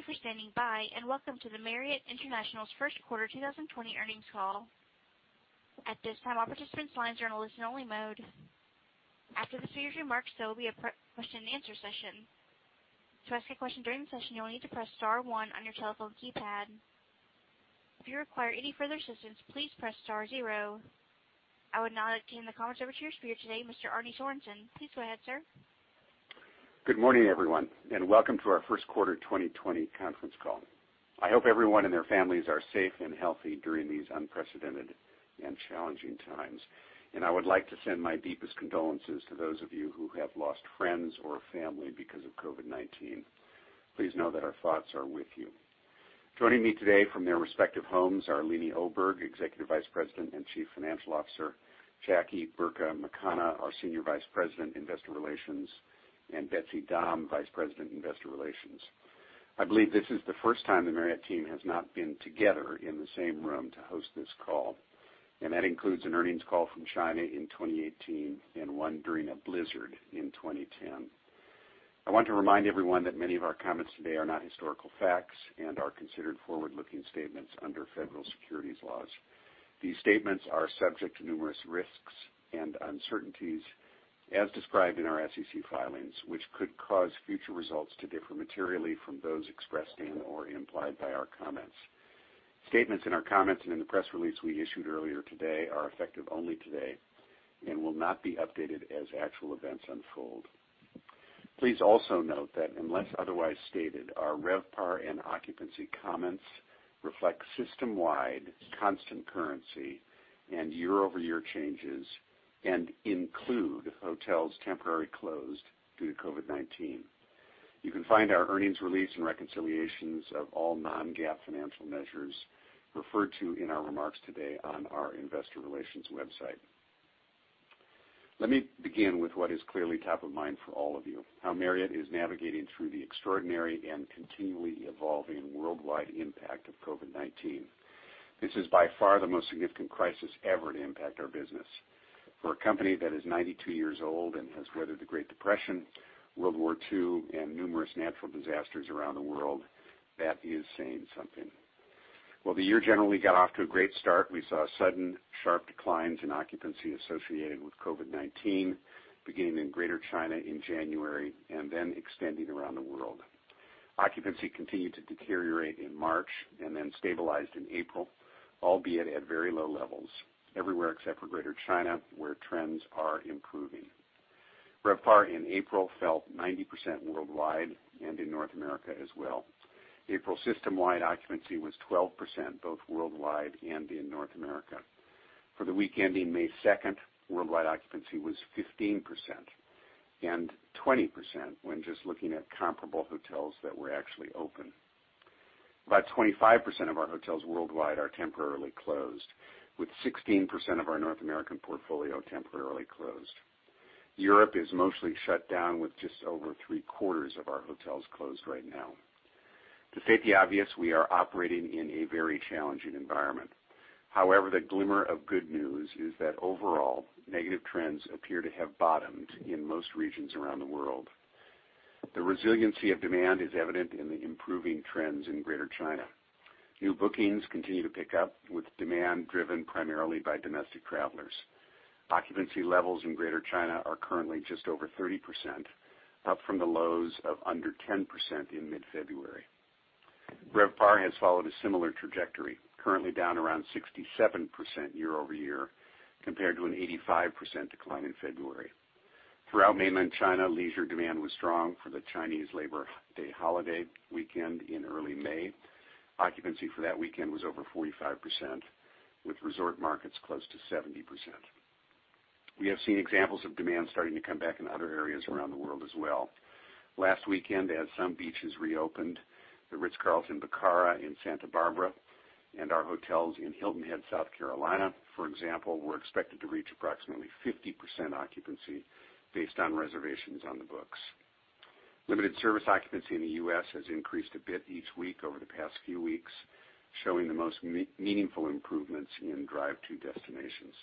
Ladies and gentlemen, thank you for standing by, and welcome to Marriott International's First Quarter 2020 Earnings Call. At this time, all participants' lines are in a listen-only mode. After the speaker's remarks, there will be a question and answer session. To ask a question during the session, you will need to press star one on your telephone keypad. If you require any further assistance, please press star zero. I would now like to hand the conference over to your speaker today, Mr. Arne Sorenson. Please go ahead, sir. Good morning, everyone, and welcome to our First Quarter 2020 Conference Call. I hope everyone and their families are safe and healthy during these unprecedented and challenging times, and I would like to send my deepest condolences to those of you who have lost friends or family because of COVID-19. Please know that our thoughts are with you. Joining me today from their respective homes are Leeny Oberg, Executive Vice President and Chief Financial Officer, Jackie Burka McConagha, our Senior Vice President, Investor Relations, and Betsy Dahm, Vice President, Investor Relations. I believe this is the first time the Marriott team has not been together in the same room to host this call, and that includes an earnings call from China in 2018 and one during a blizzard in 2010. I want to remind everyone that many of our comments today are not historical facts and are considered forward-looking statements under federal securities laws. These statements are subject to numerous risks and uncertainties, as described in our SEC filings, which could cause future results to differ materially from those expressed and/or implied by our comments. Statements in our comments and in the press release we issued earlier today are effective only today and will not be updated as actual events unfold. Please also note that, unless otherwise stated, our RevPAR and occupancy comments reflect system-wide constant currency and year-over-year changes and include hotels temporarily closed due to COVID-19. You can find our earnings release and reconciliations of all non-GAAP financial measures referred to in our remarks today on our investor relations website. Let me begin with what is clearly top of mind for all of you, how Marriott is navigating through the extraordinary and continually evolving worldwide impact of COVID-19. This is by far the most significant crisis ever to impact our business. For a company that is 92 years old and has weathered the Great Depression, World War II, and numerous natural disasters around the world, that is saying something. While the year generally got off to a great start, we saw sudden sharp declines in occupancy associated with COVID-19, beginning in Greater China in January and then extending around the world. Occupancy continued to deteriorate in March and then stabilized in April, albeit at very low levels everywhere except for Greater China, where trends are improving. RevPAR in April fell 90% worldwide and in North America as well. April system-wide occupancy was 12%, both worldwide and in North America. For the week ending May 2nd, worldwide occupancy was 15%, and 20% when just looking at comparable hotels that were actually open. About 25% of our hotels worldwide are temporarily closed, with 16% of our North American portfolio temporarily closed. Europe is mostly shut down with just over three-quarters of our hotels closed right now. To state the obvious, we are operating in a very challenging environment. However, the glimmer of good news is that overall, negative trends appear to have bottomed in most regions around the world. The resiliency of demand is evident in the improving trends in Greater China. New bookings continue to pick up, with demand driven primarily by domestic travelers. Occupancy levels in Greater China are currently just over 30%, up from the lows of under 10% in mid-February. RevPAR has followed a similar trajectory, currently down around 67% year-over-year, compared to an 85% decline in February. Throughout mainland China, leisure demand was strong for the Chinese Labor Day holiday weekend in early May. Occupancy for that weekend was over 45%, with resort markets close to 70%. We have seen examples of demand starting to come back in other areas around the world as well. Last weekend, as some beaches reopened, The Ritz-Carlton Bacara in Santa Barbara and our hotels in Hilton Head, South Carolina, for example, were expected to reach approximately 50% occupancy based on reservations on the books. Limited service occupancy in the U.S. has increased a bit each week over the past few weeks, showing the most meaningful improvements in drive-to destinations.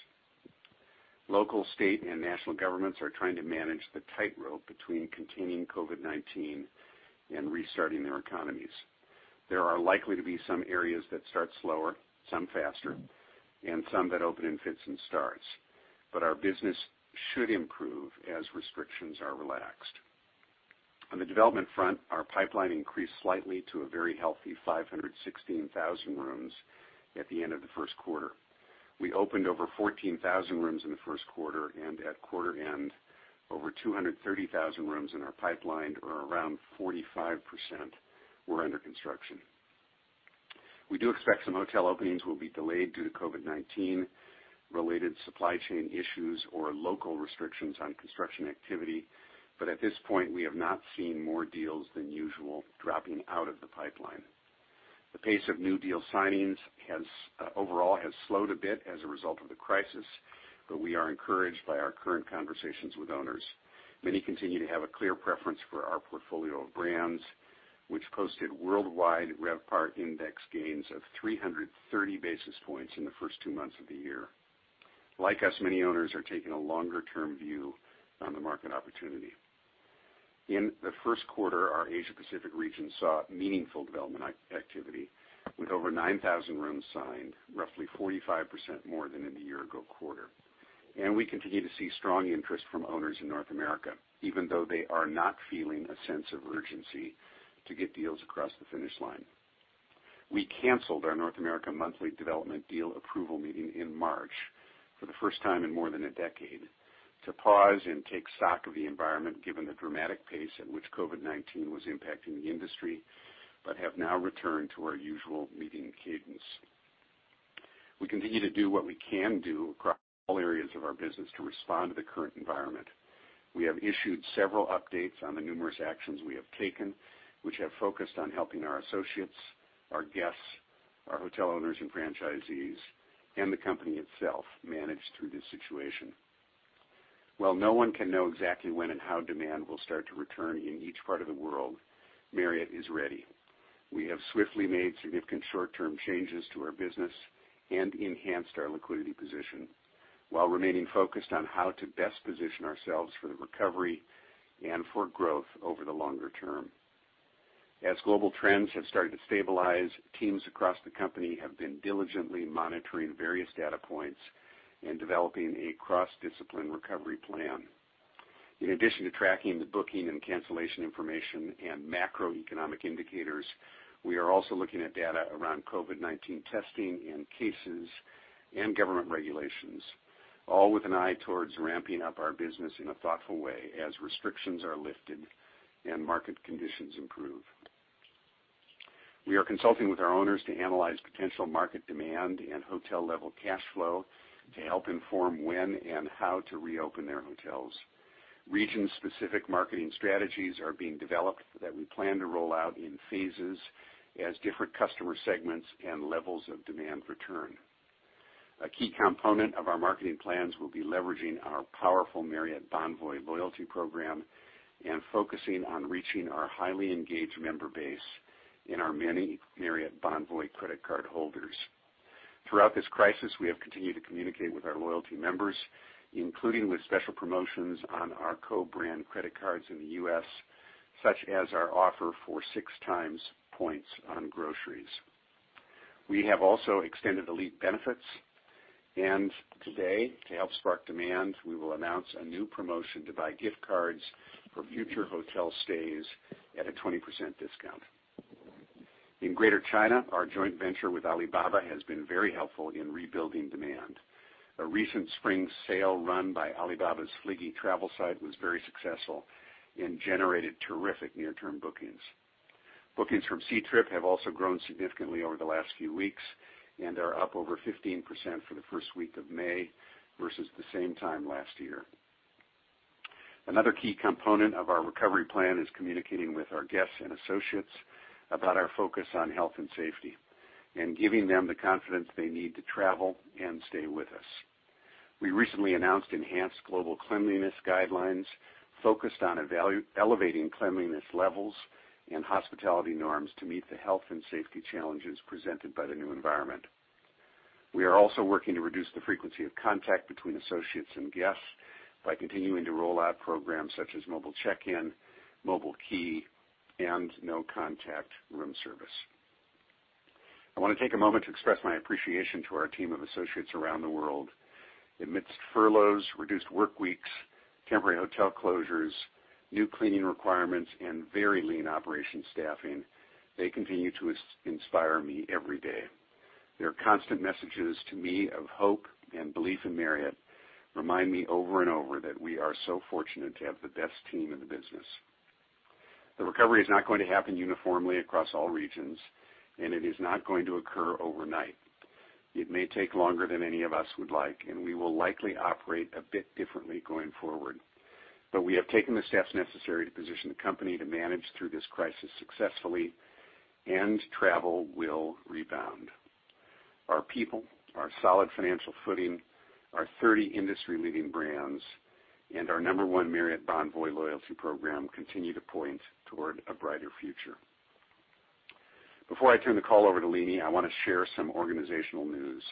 Local, state, and national governments are trying to manage the tightrope between containing COVID-19 and restarting their economies. There are likely to be some areas that start slower, some faster, and some that open in fits and starts. Our business should improve as restrictions are relaxed. On the development front, our pipeline increased slightly to a very healthy 516,000 rooms at the end of the first quarter. We opened over 14,000 rooms in the first quarter, and at quarter end, over 230,000 rooms in our pipeline or around 45% were under construction. We do expect some hotel openings will be delayed due to COVID-19 related supply chain issues or local restrictions on construction activity. At this point, we have not seen more deals than usual dropping out of the pipeline. The pace of new deal signings overall has slowed a bit as a result of the crisis, but we are encouraged by our current conversations with owners. Many continue to have a clear preference for our portfolio of brands, which posted worldwide RevPAR index gains of 330 basis points in the first two months of the year. Like us, many owners are taking a longer-term view on the market opportunity. In the first quarter, our Asia Pacific region saw meaningful development activity with over 9,000 rooms signed, roughly 45% more than in the year-ago quarter. We continue to see strong interest from owners in North America, even though they are not feeling a sense of urgency to get deals across the finish line. We canceled our North America monthly development deal approval meeting in March for the first time in more than a decade to pause and take stock of the environment, given the dramatic pace at which COVID-19 was impacting the industry, but have now returned to our usual meeting cadence. We continue to do what we can do across all areas of our business to respond to the current environment. We have issued several updates on the numerous actions we have taken, which have focused on helping our associates, our guests, our hotel owners and franchisees, and the company itself manage through this situation. While no one can know exactly when and how demand will start to return in each part of the world, Marriott is ready. We have swiftly made significant short-term changes to our business and enhanced our liquidity position while remaining focused on how to best position ourselves for the recovery and for growth over the longer term. As global trends have started to stabilize, teams across the company have been diligently monitoring various data points and developing a cross-discipline recovery plan. In addition to tracking the booking and cancellation information and macroeconomic indicators, we are also looking at data around COVID-19 testing in cases and government regulations, all with an eye towards ramping up our business in a thoughtful way, as restrictions are lifted and market conditions improve. We are consulting with our owners to analyze potential market demand and hotel-level cash flow to help inform when and how to reopen their hotels. Region-specific marketing strategies are being developed that we plan to roll out in phases as different customer segments and levels of demand return. A key component of our marketing plans will be leveraging our powerful Marriott Bonvoy loyalty program and focusing on reaching our highly engaged member base and our many Marriott Bonvoy credit card holders. Throughout this crisis, we have continued to communicate with our loyalty members, including with special promotions on our co-brand credit cards in the U.S., such as our offer for six times points on groceries. We have also extended elite benefits, and today, to help spark demand, we will announce a new promotion to buy gift cards for future hotel stays at a 20% discount. In Greater China, our joint venture with Alibaba has been very helpful in rebuilding demand. A recent spring sale run by Alibaba's Fliggy travel site was very successful and generated terrific near-term bookings. Bookings from Ctrip have also grown significantly over the last few weeks and are up over 15% for the first week of May versus the same time last year. Another key component of our recovery plan is communicating with our guests and associates about our focus on health and safety and giving them the confidence they need to travel and stay with us. We recently announced enhanced global cleanliness guidelines focused on elevating cleanliness levels and hospitality norms to meet the health and safety challenges presented by the new environment. We are also working to reduce the frequency of contact between associates and guests by continuing to roll out programs such as mobile check-in, mobile key, and no-contact room service. I want to take a moment to express my appreciation to our team of associates around the world. Amidst furloughs, reduced work weeks, temporary hotel closures, new cleaning requirements, and very lean operation staffing, they continue to inspire me every day. Their constant messages to me of hope and belief in Marriott remind me over and over that we are so fortunate to have the best team in the business. The recovery is not going to happen uniformly across all regions, and it is not going to occur overnight. It may take longer than any of us would like, and we will likely operate a bit differently going forward. We have taken the steps necessary to position the company to manage through this crisis successfully, and travel will rebound. Our people, our solid financial footing, our 30 industry-leading brands, and our number one Marriott Bonvoy loyalty program continue to point toward a brighter future. Before I turn the call over to Leeny, I want to share some organizational news.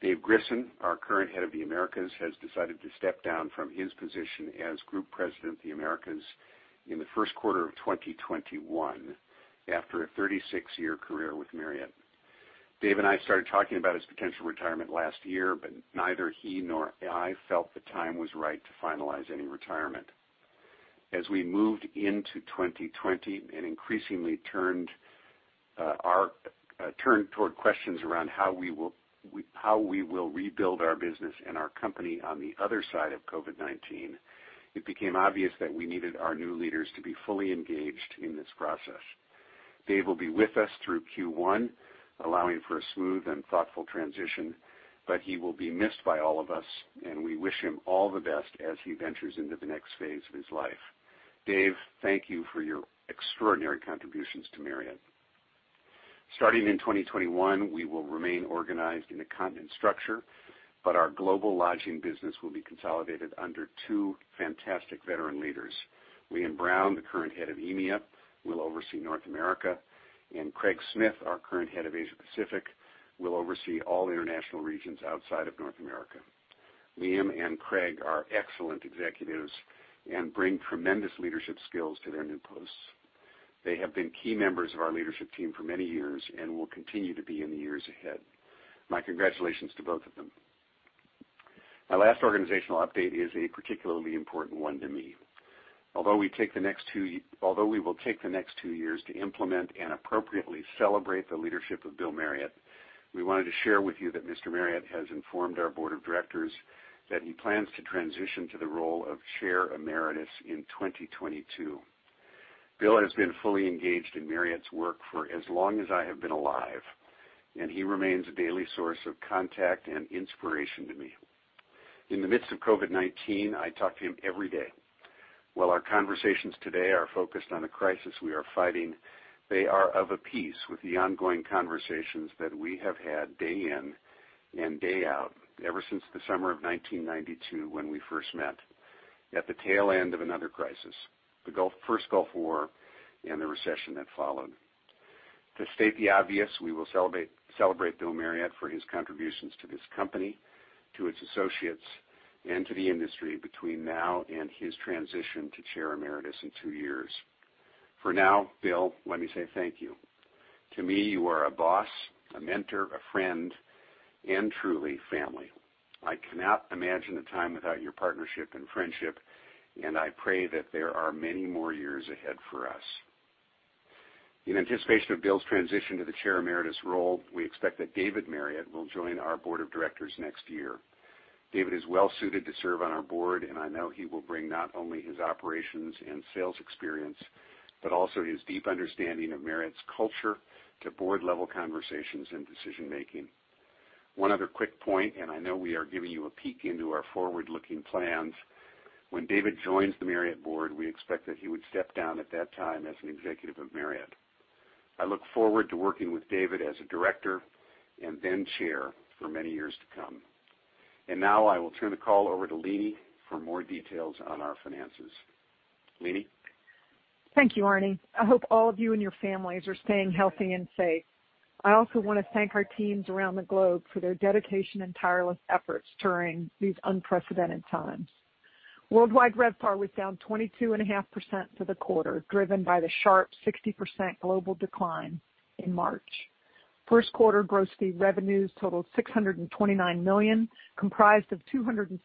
Dave Grissen, our current head of the Americas, has decided to step down from his position as Group President of the Americas in the first quarter of 2021, after a 36-year career with Marriott. Dave and I started talking about his potential retirement last year, but neither he nor I felt the time was right to finalize any retirement. As we moved into 2020 and increasingly turned toward questions around how we will rebuild our business and our company on the other side of COVID-19, it became obvious that we needed our new leaders to be fully engaged in this process. Dave will be with us through Q1, allowing for a smooth and thoughtful transition, but he will be missed by all of us, and we wish him all the best as he ventures into the next phase of his life. Dave, thank you for your extraordinary contributions to Marriott. Starting in 2021, we will remain organized in a continent structure, but our global lodging business will be consolidated under two fantastic veteran leaders. Liam Brown, the current head of EMEA, will oversee North America, and Craig Smith, our current head of Asia Pacific, will oversee all international regions outside of North America. Liam and Craig are excellent executives and bring tremendous leadership skills to their new posts. They have been key members of our leadership team for many years and will continue to be in the years ahead. My congratulations to both of them. My last organizational update is a particularly important one to me. Although we will take the next two years to implement and appropriately celebrate the leadership of Bill Marriott, we wanted to share with you that Mr. Marriott has informed our board of directors that he plans to transition to the role of Chair Emeritus in 2022. Bill has been fully engaged in Marriott's work for as long as I have been alive, and he remains a daily source of contact and inspiration to me. In the midst of COVID-19, I talk to him every day. While our conversations today are focused on the crisis we are fighting, they are of a piece with the ongoing conversations that we have had day in and day out ever since the summer of 1992, when we first met at the tail end of another crisis, the first Gulf War and the recession that followed. To state the obvious, we will celebrate Bill Marriott for his contributions to this company, to its associates, and to the industry between now and his transition to Chair Emeritus in two years. For now, Bill, let me say thank you. To me, you are a boss, a mentor, a friend, and truly family. I cannot imagine a time without your partnership and friendship, and I pray that there are many more years ahead for us. In anticipation of Bill's transition to the Chair Emeritus role, we expect that David Marriott will join our board of directors next year. David is well-suited to serve on our board, and I know he will bring not only his operations and sales experience, but also his deep understanding of Marriott's culture to board-level conversations and decision-making. One other quick point, and I know we are giving you a peek into our forward-looking plans. When David joins the Marriott board, we expect that he would step down at that time as an executive of Marriott. I look forward to working with David as a director and then chair for many years to come. Now I will turn the call over to Leeny for more details on our finances. Leeny? Thank you, Arne. I hope all of you and your families are staying healthy and safe. I also want to thank our teams around the globe for their dedication and tireless efforts during these unprecedented times. Worldwide RevPAR was down 22.5% for the quarter, driven by the sharp 60% global decline in March. First quarter gross fee revenues totaled $629 million, comprised of $214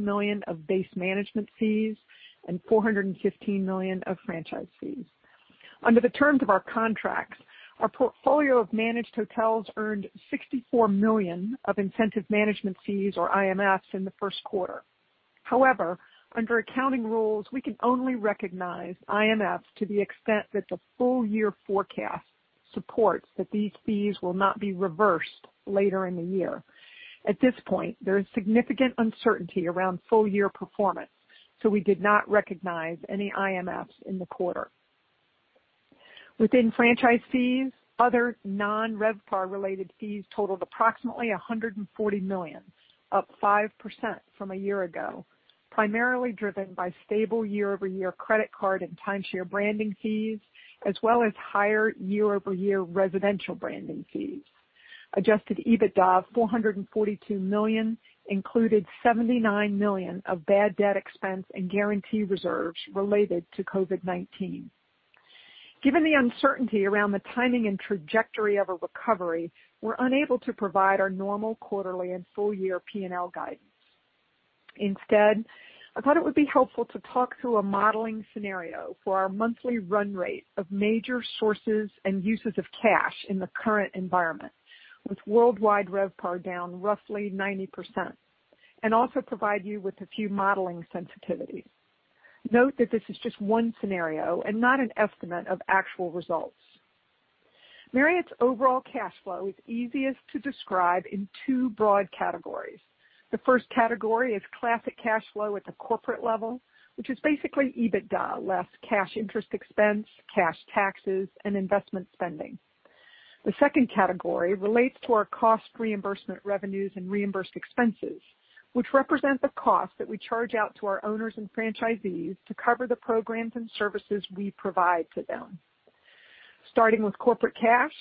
million of base management fees and $415 million of franchise fees. Under the terms of our contracts, our portfolio of managed hotels earned $64 million of incentive management fees, or IMFs, in the first quarter. However, under accounting rules, we can only recognize IMFs to the extent that the full year forecast supports that these fees will not be reversed later in the year. At this point, there is significant uncertainty around full-year pro formas, we did not recognize any IMFs in the quarter. Within franchise fees, other non-RevPAR related fees totaled approximately $140 million, up 5% from a year ago, primarily driven by stable year-over-year credit card and timeshare branding fees, as well as higher year-over-year residential branding fees. Adjusted EBITDA of $442 million included $79 million of bad debt expense and guarantee reserves related to COVID-19. Given the uncertainty around the timing and trajectory of a recovery, we're unable to provide our normal quarterly and full-year P&L guidance. Instead, I thought it would be helpful to talk through a modeling scenario for our monthly run rate of major sources and uses of cash in the current environment, with worldwide RevPAR down roughly 90%, and also provide you with a few modeling sensitivities. Note that this is just one scenario and not an estimate of actual results. Marriott's overall cash flow is easiest to describe in two broad categories. The first category is classic cash flow at the corporate level, which is basically EBITDA, less cash interest expense, cash taxes, and investment spending. The second category relates to our cost reimbursement revenues and reimbursed expenses, which represent the cost that we charge out to our owners and franchisees to cover the programs and services we provide to them. Starting with corporate cash,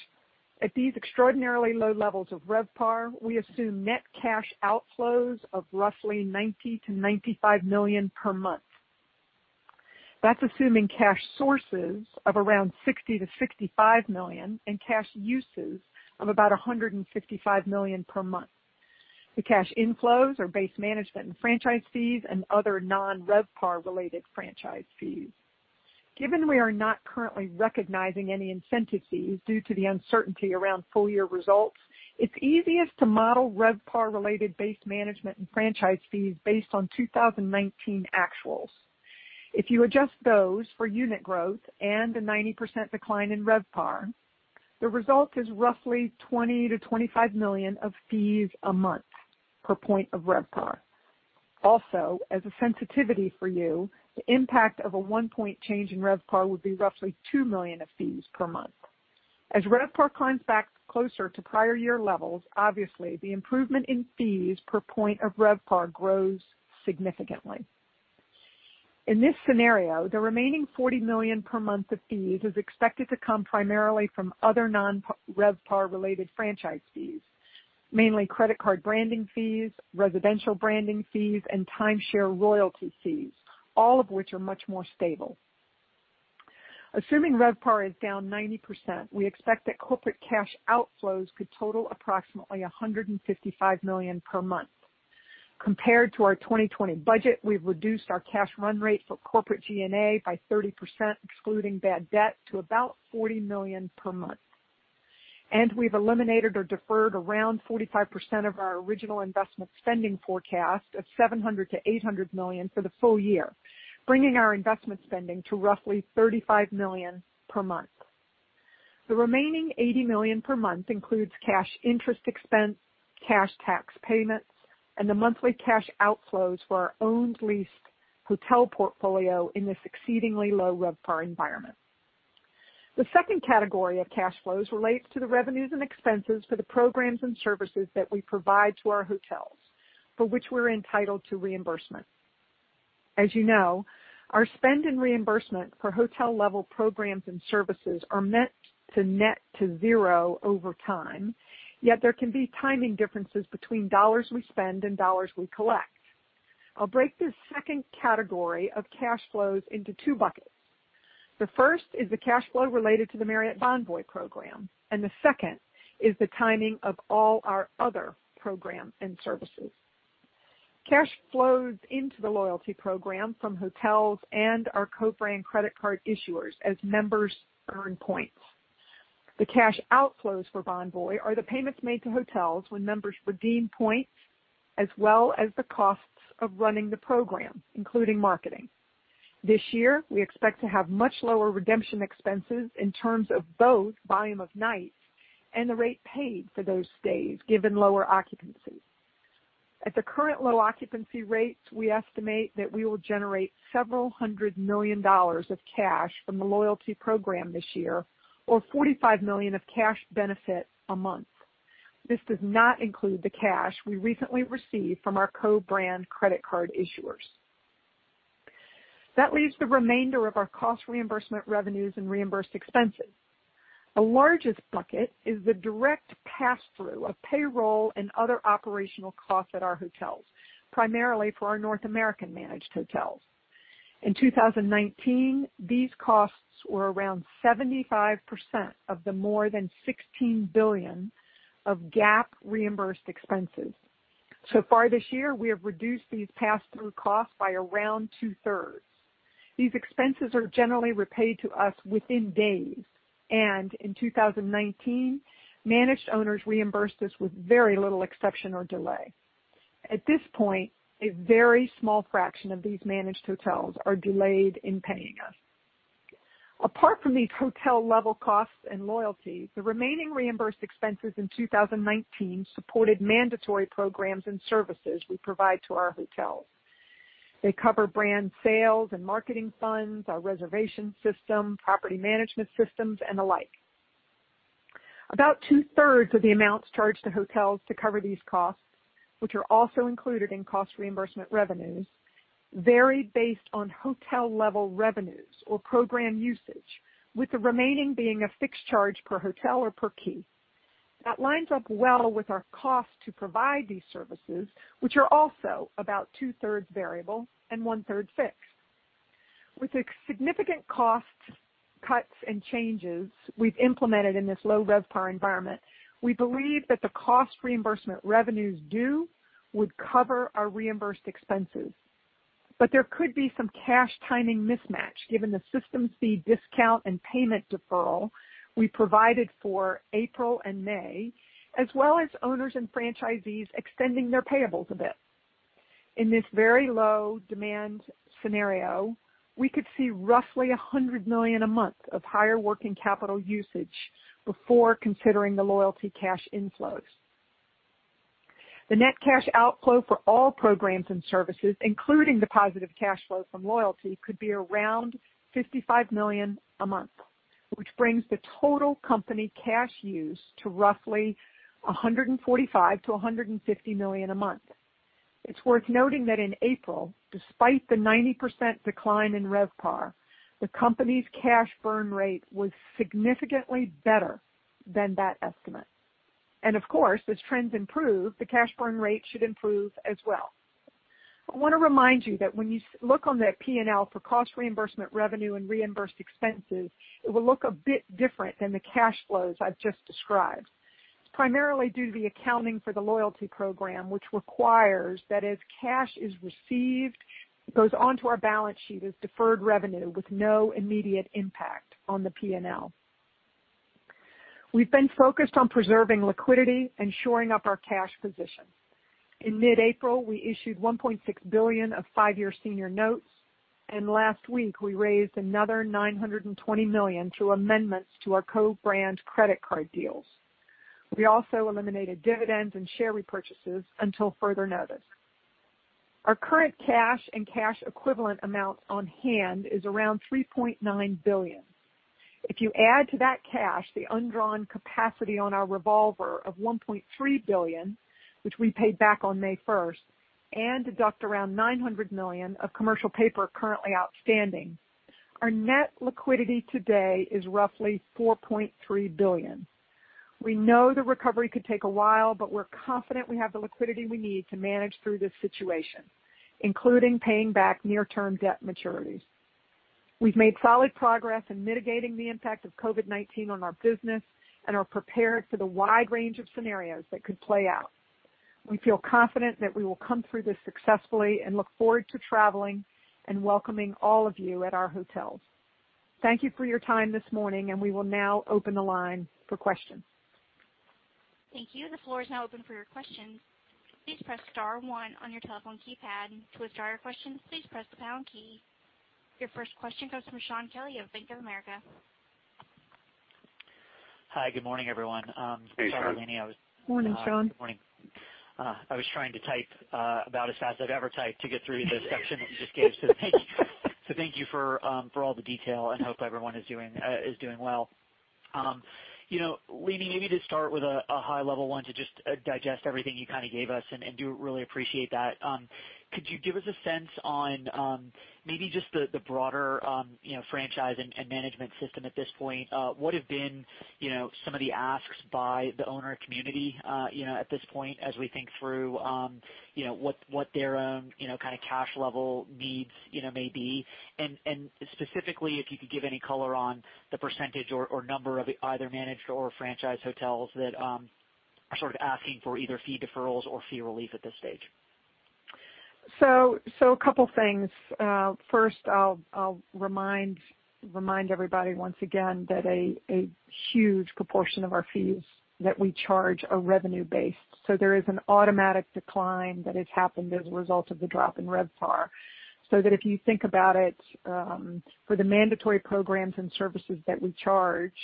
at these extraordinarily low levels of RevPAR, we assume net cash outflows of roughly $90 million-$95 million per month. That's assuming cash sources of around $60 million-$65 million and cash uses of about $155 million per month. The cash inflows are base management and franchise fees and other non-RevPAR related franchise fees. Given we are not currently recognizing any incentive fees due to the uncertainty around full-year results, it's easiest to model RevPAR related base management and franchise fees based on 2019 actuals. If you adjust those for unit growth and a 90% decline in RevPAR, the result is roughly $20 million-$25 million of fees a month per point of RevPAR. Also, as a sensitivity for you, the impact of a one-point change in RevPAR would be roughly $2 million of fees per month. As RevPAR climbs back closer to prior year levels, obviously, the improvement in fees per point of RevPAR grows significantly. In this scenario, the remaining $40 million per month of fees is expected to come primarily from other non-RevPAR related franchise fees, mainly credit card branding fees, residential branding fees, and timeshare royalty fees, all of which are much more stable. Assuming RevPAR is down 90%, we expect that corporate cash outflows could total approximately $155 million per month. Compared to our 2020 budget, we've reduced our cash run rate for corporate G&A by 30%, excluding bad debt, to about $40 million per month. We've eliminated or deferred around 45% of our original investment spending forecast of $700 million-$800 million for the full year, bringing our investment spending to roughly $35 million per month. The remaining $80 million per month includes cash interest expense, cash tax payments, and the monthly cash outflows for our owned leased hotel portfolio in this exceedingly low RevPAR environment. The second category of cash flows relates to the revenues and expenses for the programs and services that we provide to our hotels, for which we're entitled to reimbursement. As you know, our spend and reimbursement for hotel-level programs and services are meant to net to zero over time. Yet there can be timing differences between dollars we spend and dollars we collect. I'll break this second category of cash flows into two buckets. The first is the cash flow related to the Marriott Bonvoy program, and the second is the timing of all our other programs and services. Cash flows into the loyalty program from hotels and our co-brand credit card issuers as members earn points. The cash outflows for Bonvoy are the payments made to hotels when members redeem points, as well as the costs of running the program, including marketing. This year, we expect to have much lower redemption expenses in terms of both volume of nights and the rate paid for those stays, given lower occupancy. At the current low occupancy rates, we estimate that we will generate several hundred million dollars of cash from the loyalty program this year or $45 million of cash benefit a month. This does not include the cash we recently received from our co-brand credit card issuers. That leaves the remainder of our cost reimbursement revenues and reimbursed expenses. The largest bucket is the direct pass-through of payroll and other operational costs at our hotels, primarily for our North American managed hotels. In 2019, these costs were around 75% of the more than $16 billion of GAAP reimbursed expenses. So far this year, we have reduced these pass-through costs by around two-thirds. These expenses are generally repaid to us within days, and in 2019, managed owners reimbursed us with very little exception or delay. At this point, a very small fraction of these managed hotels are delayed in paying us. Apart from these hotel-level costs and loyalty, the remaining reimbursed expenses in 2019 supported mandatory programs and services we provide to our hotels. They cover brand sales and marketing funds, our reservation system, property management systems, and the like. About two-thirds of the amounts charged to hotels to cover these costs, which are also included in cost reimbursement revenues, vary based on hotel-level revenues or program usage, with the remaining being a fixed charge per hotel or per key. That lines up well with our cost to provide these services, which are also about two-thirds variable and one-third fixed. With the significant cost cuts and changes we've implemented in this low RevPAR environment, we believe that the cost reimbursement revenues due would cover our reimbursed expenses. There could be some cash timing mismatch given the systems fee discount and payment deferral we provided for April and May, as well as owners and franchisees extending their payables a bit. In this very low demand scenario, we could see roughly $100 million a month of higher working capital usage before considering the loyalty cash inflows. The net cash outflow for all programs and services, including the positive cash flow from loyalty, could be around $55 million a month, which brings the total company cash use to roughly $145 million-$150 million a month. It's worth noting that in April, despite the 90% decline in RevPAR, the company's cash burn rate was significantly better than that estimate. Of course, as trends improve, the cash burn rate should improve as well. I want to remind you that when you look on the P&L for cost reimbursement revenue and reimbursed expenses, it will look a bit different than the cash flows I've just described, primarily due to the accounting for the loyalty program, which requires that as cash is received, it goes onto our balance sheet as deferred revenue with no immediate impact on the P&L. We've been focused on preserving liquidity and shoring up our cash position. In mid-April, we issued $1.6 billion of five-year senior notes. Last week we raised another $920 million through amendments to our co-brand credit card deals. We also eliminated dividends and share repurchases until further notice. Our current cash and cash equivalent amount on hand is around $3.9 billion. If you add to that cash the undrawn capacity on our revolver of $1.3 billion, which we paid back on May 1st, and deduct around $900 million of commercial paper currently outstanding, our net liquidity today is roughly $4.3 billion. We know the recovery could take a while, but we're confident we have the liquidity we need to manage through this situation, including paying back near-term debt maturities. We've made solid progress in mitigating the impact of COVID-19 on our business and are prepared for the wide range of scenarios that could play out. We feel confident that we will come through this successfully and look forward to traveling and welcoming all of you at our hotels. Thank you for your time this morning, and we will now open the line for questions. Thank you. The floor is now open for your questions. Please press star one on your telephone keypad. To withdraw your questions, please press the pound key. Your first question comes from Shaun Kelley of Bank of America. Hi. Good morning, everyone. Hey, Shaun. Morning, Shaun. Good morning. I was trying to type about as fast as I've ever typed to get through the section that you just gave. Thank you for all the detail, and hope everyone is doing well. Leeny, maybe to start with a high level one to just digest everything you gave us, and do really appreciate that. Could you give us a sense on maybe just the broader franchise and management system at this point? What have been some of the asks by the owner community at this point as we think through what their own kind of cash level needs may be? Specifically, if you could give any color on the percentage or number of either managed or franchise hotels that are sort of asking for either fee deferrals or fee relief at this stage. A couple of things. First, I'll remind everybody once again that a huge proportion of our fees that we charge are revenue based. There is an automatic decline that has happened as a result of the drop in RevPAR. That if you think about it, for the mandatory programs and services that we charge,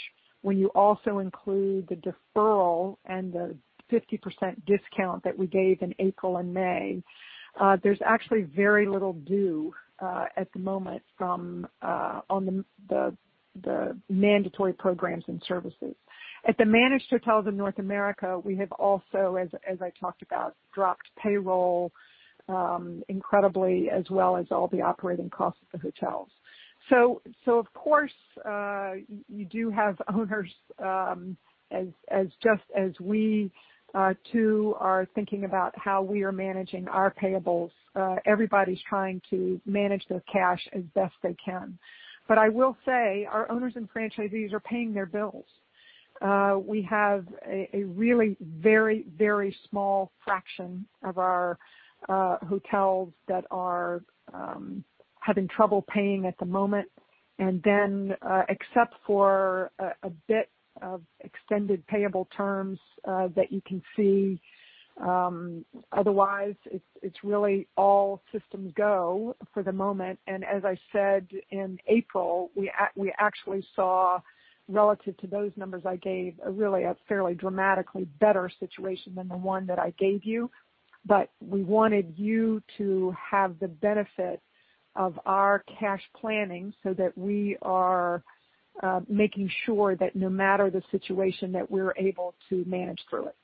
when you also include the deferral and the 50% discount that we gave in April and May, there's actually very little due at the moment on the mandatory programs and services. At the managed hotels in North America, we have also, as I talked about, dropped payroll incredibly, as well as all the operating costs of the hotels. Of course, you do have owners, just as we too are thinking about how we are managing our payables. Everybody's trying to manage their cash as best they can. I will say our owners and franchisees are paying their bills. We have a really very small fraction of our hotels that are having trouble paying at the moment. Except for a bit of extended payable terms that you can see, otherwise it's really all systems go for the moment. As I said in April, we actually saw relative to those numbers I gave, really a fairly dramatically better situation than the one that I gave you. We wanted you to have the benefit of our cash planning so that we are making sure that no matter the situation, that we're able to manage through it.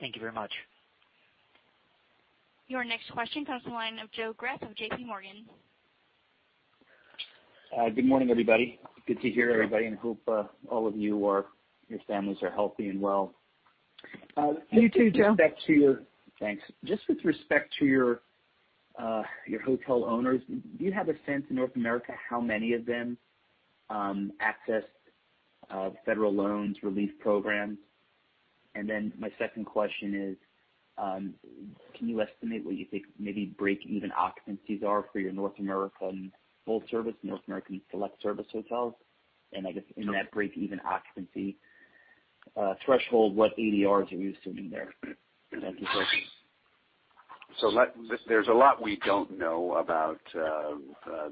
Thank you very much. Your next question comes from the line of Joseph Greff of JPMorgan. Good morning, everybody. Good to hear everybody and hope all of you or your families are healthy and well. You too, Joseph. Thanks. Just with respect to your hotel owners, do you have a sense in North America how many of them accessed federal loans relief programs? My second question is, can you estimate what you think maybe break-even occupancies are for your North American full-service, North American select service hotels? I guess in that break-even occupancy threshold, what ADRs are you assuming there? Thank you. There's a lot we don't know about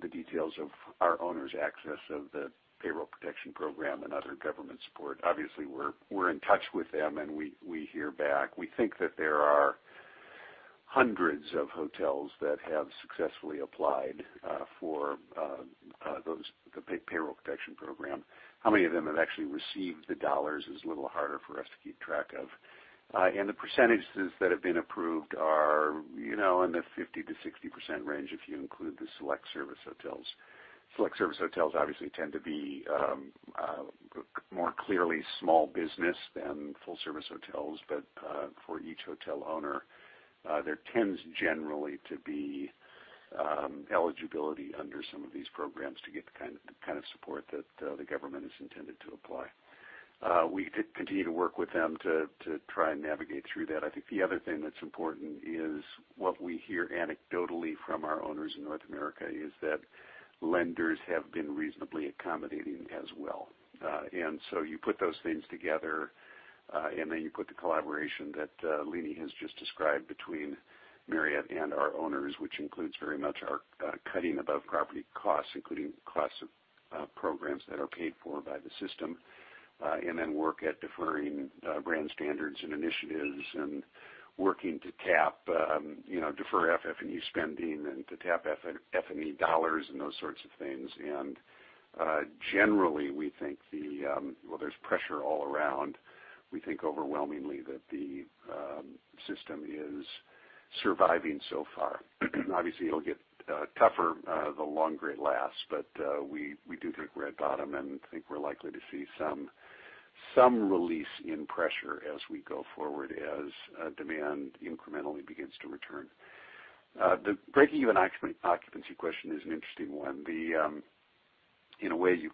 the details of our owners' access of the Paycheck Protection Program and other government support. Obviously, we're in touch with them, and we hear back. We think that there are hundreds of hotels that have successfully applied for the Paycheck Protection Program. How many of them have actually received the dollars is a little harder for us to keep track of. The percentages that have been approved are in the 50%-60% range if you include the select service hotels. Select service hotels obviously tend to be more clearly small business than full-service hotels. For each hotel owner, there tends generally to be eligibility under some of these programs to get the kind of support that the government has intended to apply. We continue to work with them to try and navigate through that. I think the other thing that's important is what we hear anecdotally from our owners in North America is that lenders have been reasonably accommodating as well. You put those things together, then you put the collaboration that Leeny has just described between Marriott and our owners, which includes very much our cutting above property costs, including costs of programs that are paid for by the system. Then work at deferring brand standards and initiatives, and working to cap, defer FF&E spending and to tap FF&E dollars and those sorts of things. Generally, we think, well, there's pressure all around. We think overwhelmingly that the system is surviving so far. Obviously, it'll get tougher the longer it lasts, but we do think we're at bottom and think we're likely to see some release in pressure as we go forward, as demand incrementally begins to return. The breakeven occupancy question is an interesting one. In a way, you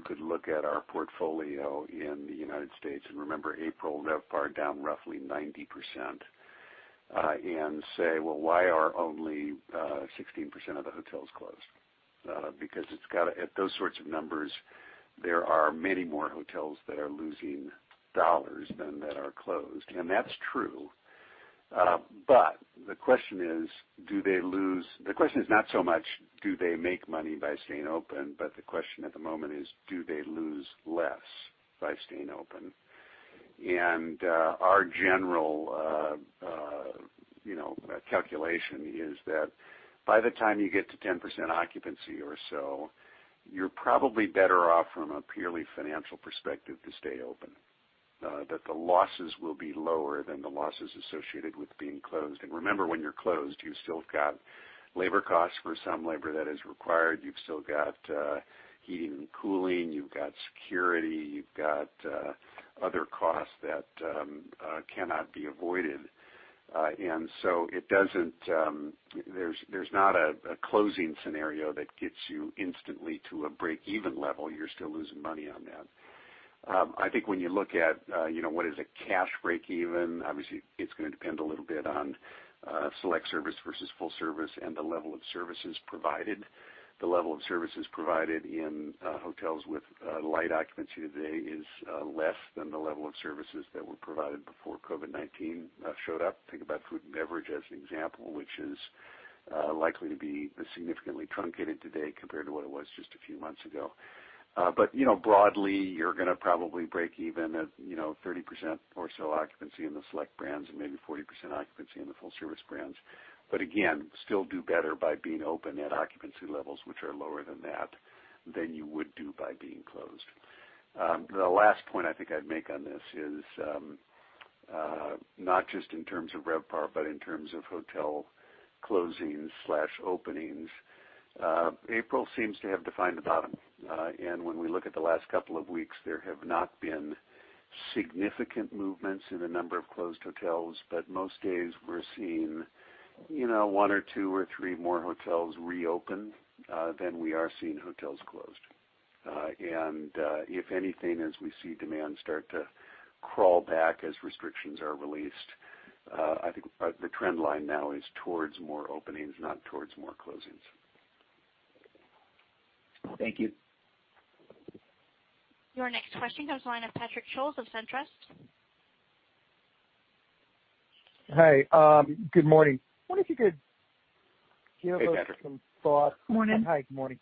could look at our portfolio in the U.S., and remember April RevPAR down roughly 90%, and say, "Well, why are only 16% of the hotels closed?" At those sorts of numbers, there are many more hotels that are losing dollars than that are closed. That's true. The question is not so much do they make money by staying open, but the question at the moment is, do they lose less by staying open? Our general calculation is that by the time you get to 10% occupancy or so, you're probably better off from a purely financial perspective to stay open, that the losses will be lower than the losses associated with being closed. Remember, when you're closed, you've still got labor costs for some labor that is required. You've still got heating and cooling. You've got security. You've got other costs that cannot be avoided. There's not a closing scenario that gets you instantly to a breakeven level. You're still losing money on that. I think when you look at what is a cash breakeven, obviously, it's going to depend a little bit on select service versus full service and the level of services provided. The level of services provided in hotels with light occupancy today is less than the level of services that were provided before COVID-19 showed up. Think about food and beverage as an example, which is likely to be significantly truncated today compared to what it was just a few months ago. Broadly, you're going to probably break even at 30% or so occupancy in the select brands and maybe 40% occupancy in the full-service brands. Again, still do better by being open at occupancy levels which are lower than that, than you would do by being closed. The last point I think I'd make on this is not just in terms of RevPAR, but in terms of hotel closings/openings. April seems to have defined the bottom. When we look at the last couple of weeks, there have not been significant movements in the number of closed hotels, but most days we're seeing one or two or three more hotels reopen than we are seeing hotels closed. If anything, as we see demand start to crawl back as restrictions are released, I think the trend line now is towards more openings, not towards more closings. Thank you. Your next question comes from the line of Patrick Scholes of Truist Securities. Hey. Good morning. I wonder if you could give us. Hey, Patrick. Some thoughts. Morning. Hi, good morning.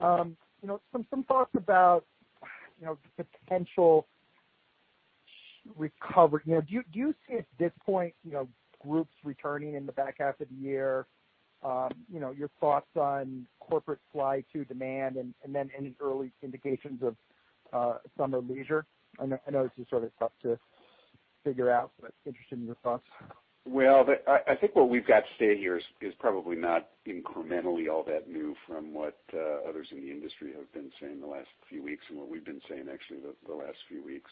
Some thoughts about the potential recovery. Do you see at this point groups returning in the back half of the year? Your thoughts on corporate fly to demand and then any early indications of summer leisure? I know this is sort of tough to figure out, but interested in your thoughts. Well, I think what we've got to say here is probably not incrementally all that new from what others in the industry have been saying the last few weeks and what we've been saying actually the last few weeks.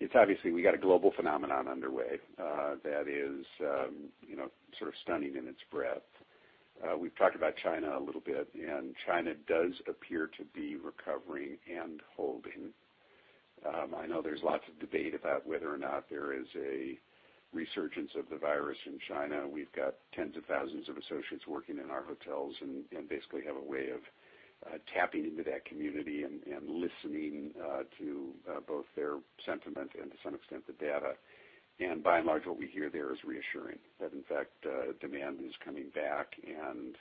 It's obviously we got a global phenomenon underway that is sort of stunning in its breadth. We've talked about China a little bit, and China does appear to be recovering and holding. I know there's lots of debate about whether or not there is a resurgence of the virus in China. We've got tens of thousands of associates working in our hotels, and basically have a way of tapping into that community and listening to both their sentiment and to some extent, the data. By and large, what we hear there is reassuring, that in fact, demand is coming back and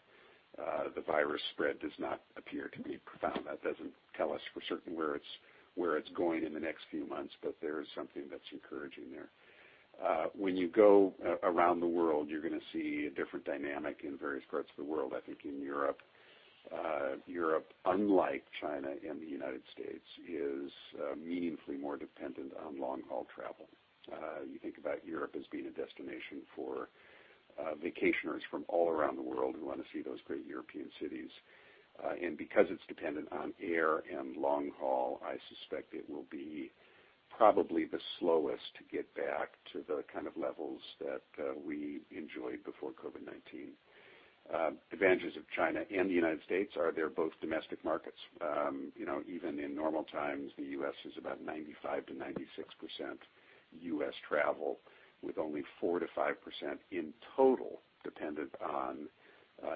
the virus spread does not appear to be profound. That doesn't tell us for certain where it's going in the next few months, but there is something that's encouraging there. When you go around the world, you're going to see a different dynamic in various parts of the world. I think in Europe, unlike China and the United States, is meaningfully more dependent on long-haul travel. You think about Europe as being a destination for vacationers from all around the world who want to see those great European cities. Because it will probably be the slowest to get back to the kind of levels that we enjoyed before COVID-19. Advantages of China and the United States are they're both domestic markets. Even in normal times, the U.S. is about 95%-96% U.S. travel, with only 4%-5% in total dependent on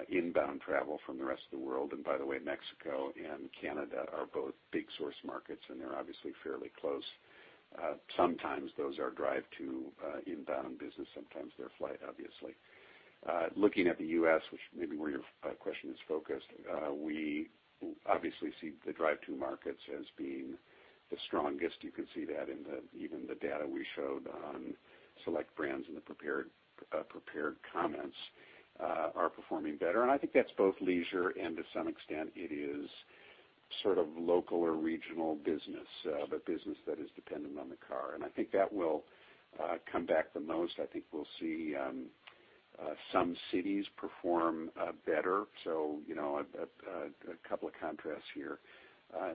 inbound travel from the rest of the world. By the way, Mexico and Canada are both big source markets, and they're obviously fairly close. Sometimes those are drive to inbound business, sometimes they're flight, obviously. Looking at the U.S., which may be where your question is focused, we obviously see the drive to markets as being the strongest. You can see that in even the data we showed on select brands in the prepared comments are performing better. I think that's both leisure and to some extent it is local or regional business, but business that is dependent on the car. I think that will come back the most. I think we'll see some cities perform better. A couple of contrasts here.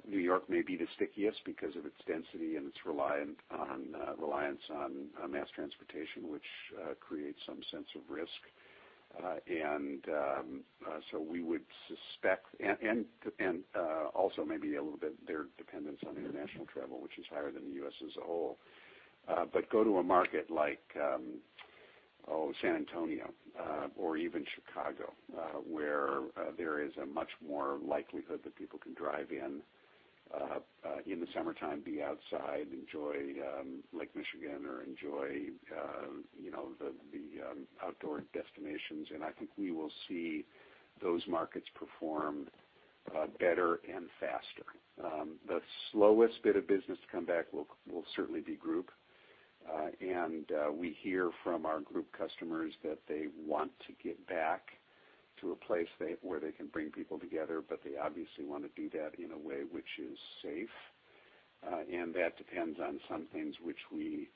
New York may be the stickiest because of its density and its reliance on mass transportation, which creates some sense of risk. Also maybe a little bit their dependence on international travel, which is higher than the U.S. as a whole. Go to a market like San Antonio or even Chicago, where there is a much more likelihood that people can drive in the summertime, be outside, enjoy Lake Michigan or enjoy the outdoor destinations. I think we will see those markets perform better and faster. The slowest bit of business to come back will certainly be group. We hear from our group customers that they want to get back to a place where they can bring people together, but they obviously want to do that in a way which is safe. That depends on some things which we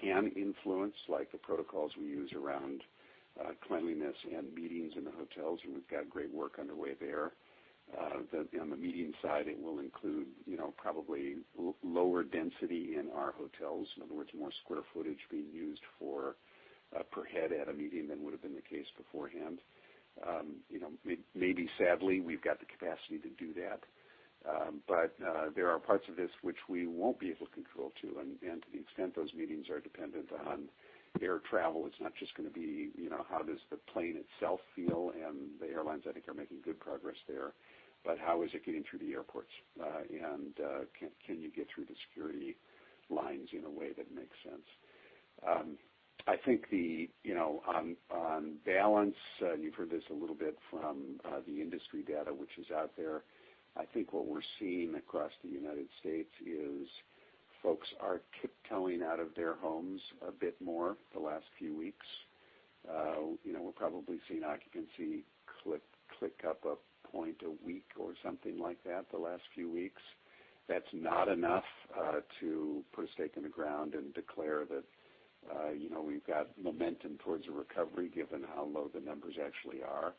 can influence, like the protocols we use around cleanliness and meetings in the hotels, and we've got great work underway there. On the meeting side, it will include probably lower density in our hotels, in other words, more square footage being used per head at a meeting than would have been the case beforehand. Maybe sadly, we've got the capacity to do that. There are parts of this which we won't be able to control too, and to the extent those meetings are dependent on air travel, it's not just going to be how does the plane itself feel, and the airlines I think are making good progress there, but how is it getting through the airports? Can you get through the security lines in a way that makes sense? I think on balance, you've heard this a little bit from the industry data which is out there, I think what we're seeing across the U.S. is folks are tiptoeing out of their homes a bit more the last few weeks. We're probably seeing occupancy click up a point a week or something like that the last few weeks. That's not enough to put a stake in the ground and declare that we've got momentum towards a recovery given how low the numbers actually are.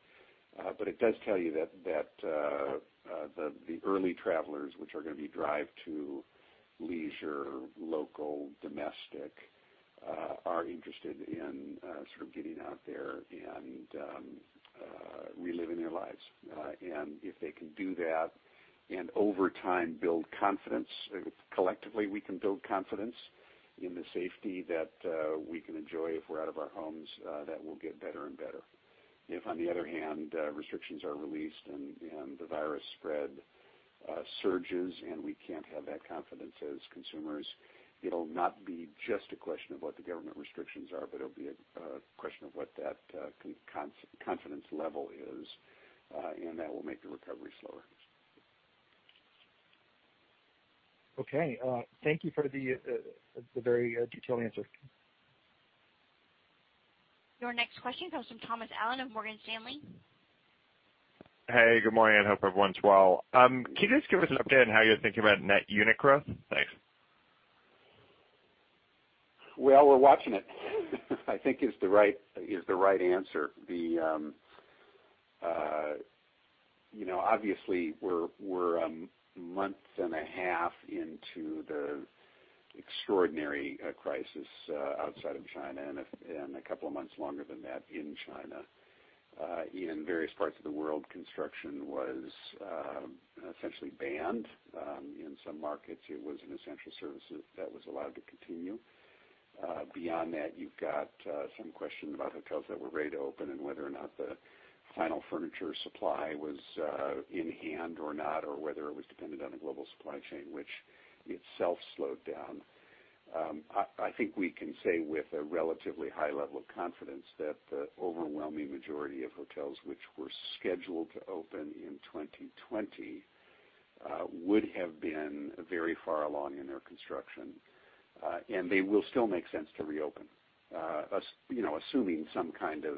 It does tell you that the early travelers, which are going to be drive to leisure, local, domestic, are interested in sort of getting out there and reliving their lives. If they can do that and over time build confidence, collectively we can build confidence in the safety that we can enjoy if we're out of our homes, that will get better and better. If on the other hand, restrictions are released and the virus spread surges, and we can't have that confidence as consumers, it'll not be just a question of what the government restrictions are, but it'll be a question of what that confidence level is, and that will make the recovery slower. Okay. Thank you for the very detailed answer. Your next question comes from Thomas Allen of Morgan Stanley. Hey, good morning. I hope everyone's well. Can you just give us an update on how you're thinking about net unit growth? Thanks. Well, we're watching it, I think is the right answer. Obviously, we're a month and a half into the extraordinary crisis outside of China, and a couple of months longer than that in China. In various parts of the world, construction was essentially banned. In some markets, it was an essential service that was allowed to continue. Beyond that, you've got some question about hotels that were ready to open and whether or not the final furniture supply was in hand or not, or whether it was dependent on the global supply chain, which itself slowed down. I think we can say with a relatively high level of confidence that the overwhelming majority of hotels which were scheduled to open in 2020 would have been very far along in their construction. They will still make sense to reopen, assuming some kind of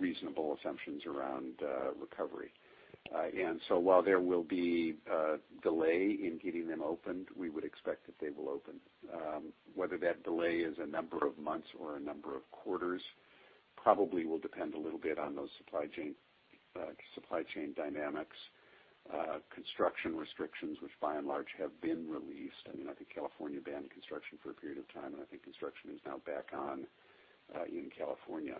reasonable assumptions around recovery. While there will be a delay in getting them opened, we would expect that they will open. Whether that delay is a number of months or a number of quarters probably will depend a little bit on those supply chain dynamics, construction restrictions, which by and large have been released. I think California banned construction for a period of time, and I think construction is now back on in California.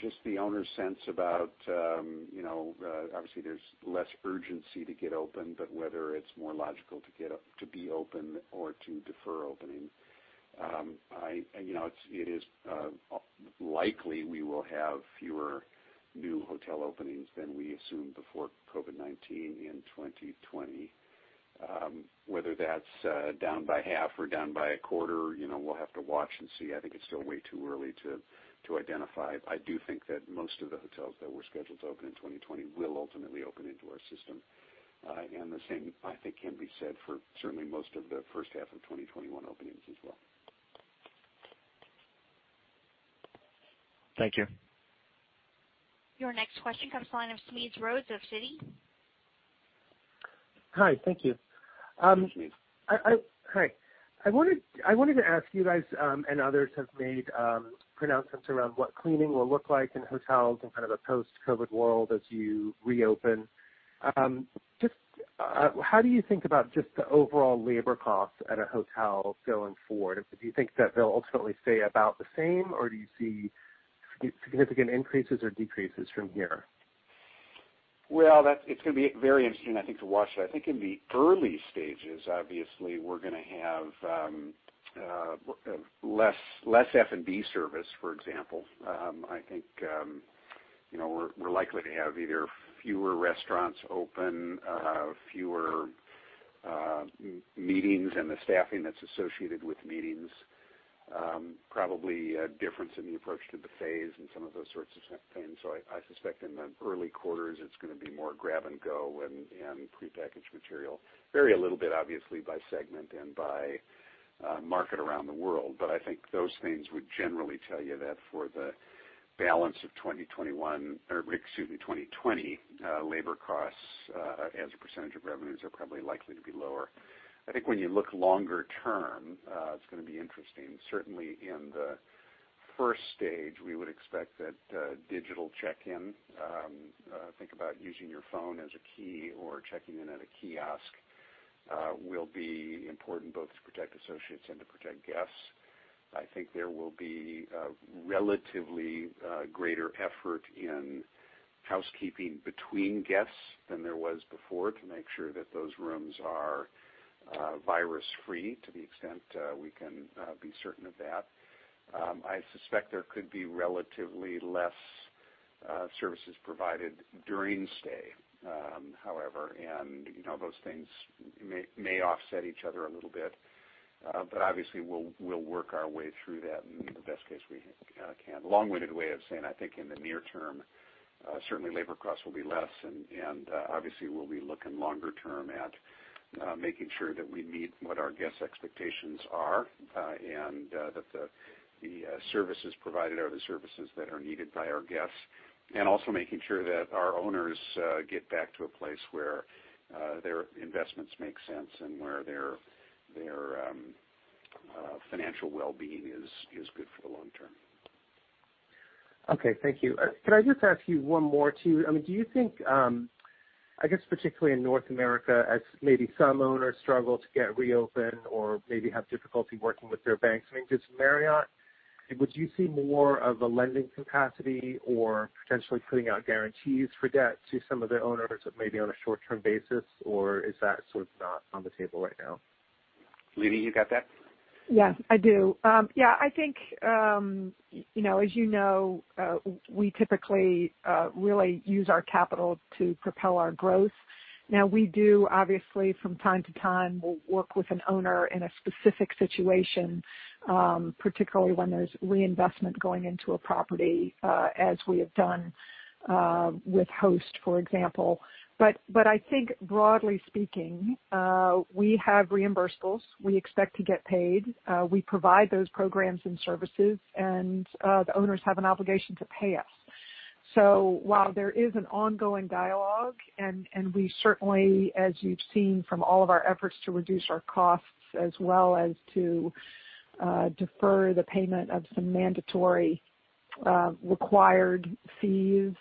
Just the owner's sense about, obviously there's less urgency to get open, but whether it's more logical to be open or to defer opening. It is likely we will have fewer new hotel openings than we assumed before COVID-19 in 2020. Whether that's down by half or down by a quarter, we'll have to watch and see. I think it's still way too early to identify. I do think that most of the hotels that were scheduled to open in 2020 will ultimately open into our system. The same, I think, can be said for certainly most of the first half of 2021 openings as well. Thank you. Your next question comes the line of Smedes Rose of Citi. Hi. Thank you. Smedes. Hi. I wanted to ask you guys and others have made pronouncements around what cleaning will look like in hotels in a post-COVID world as you reopen. Just how do you think about just the overall labor costs at a hotel going forward? Do you think that they'll ultimately stay about the same, or do you see significant increases or decreases from here? Well, it's going to be very interesting, I think, to watch that. I think in the early stages, obviously, we're going to have less F&B service, for example. I think we're likely to have either fewer restaurants open, fewer meetings and the staffing that's associated with meetings. Probably a difference in the approach to buffets and some of those sorts of things. I suspect in the early quarters it's going to be more grab-and-go and prepackaged material. Vary a little bit, obviously, by segment and by market around the world. I think those things would generally tell you that for the balance of 2020, labor costs as a percent of revenues are probably likely to be lower. I think when you look longer term, it's going to be interesting. Certainly in the stage 1, we would expect that digital check-in, think about using your phone as a key or checking in at a kiosk, will be important both to protect associates and to protect guests. I think there will be a relatively greater effort in housekeeping between guests than there was before to make sure that those rooms are virus-free to the extent we can be certain of that. I suspect there could be relatively less services provided during stay, however, and those things may offset each other a little bit. Obviously we'll work our way through that in the best case we can. A long-winded way of saying, I think in the near term, certainly labor costs will be less, and obviously we'll be looking longer term at making sure that we meet what our guests' expectations are, and that the services provided are the services that are needed by our guests. Also making sure that our owners get back to a place where their investments make sense and where their financial well-being is good for the long term. Okay. Thank you. Could I just ask you one more, too? Do you think, I guess particularly in North America, as maybe some owners struggle to get reopened or maybe have difficulty working with their banks, just Marriott, would you see more of a lending capacity or potentially putting out guarantees for debt to some of the owners maybe on a short-term basis, or is that not on the table right now? Leeny, you got that? Yes, I do. I think as you know, we typically really use our capital to propel our growth. We do, obviously, from time to time, we'll work with an owner in a specific situation, particularly when there's reinvestment going into a property, as we have done with Host, for example. I think broadly speaking, we have reimbursables. We expect to get paid. We provide those programs and services, and the owners have an obligation to pay us. While there is an ongoing dialogue, and we certainly, as you've seen from all of our efforts to reduce our costs as well as to defer the payment of some mandatory required fees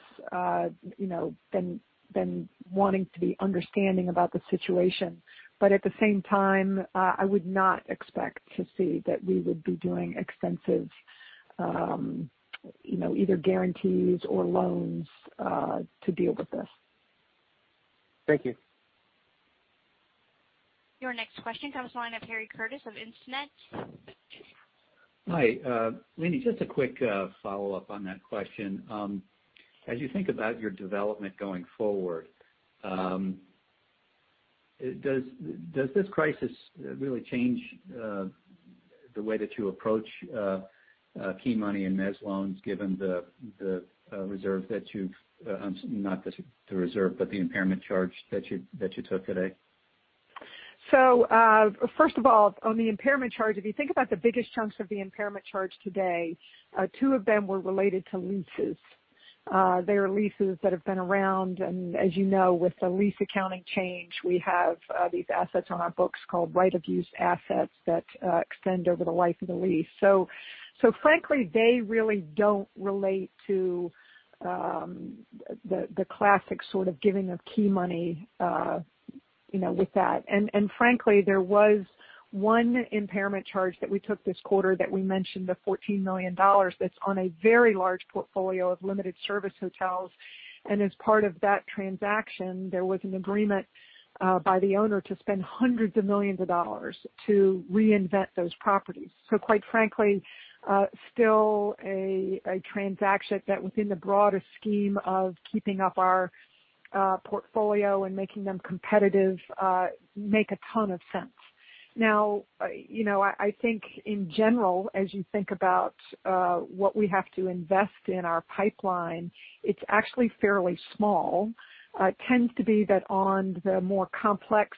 than wanting to be understanding about the situation. At the same time, I would not expect to see that we would be doing extensive either guarantees or loans to deal with this. Thank you. Your next question comes the line of Harry Curtis of Instinet. Hi. Leeny, just a quick follow-up on that question. As you think about your development going forward, does this crisis really change the way that you approach key money and mezz loans given the reserve that you've Not the reserve, but the impairment charge that you took today? First of all, on the impairment charge, if you think about the biggest chunks of the impairment charge today, two of them were related to leases. There are leases that have been around, and as you know, with the lease accounting change, we have these assets on our books called right-of-use assets that extend over the life of the lease. Frankly, they really don't relate to the classic sort of giving of key money with that. Frankly, there was one impairment charge that we took this quarter that we mentioned, the $14 million, that's on a very large portfolio of limited service hotels. As part of that transaction, there was an agreement by the owner to spend hundreds of millions of dollars to reinvent those properties. Quite frankly, still a transaction that within the broader scheme of keeping up our portfolio and making them competitive make a ton of sense. I think in general, as you think about what we have to invest in our pipeline, it's actually fairly small. It tends to be that on the more complex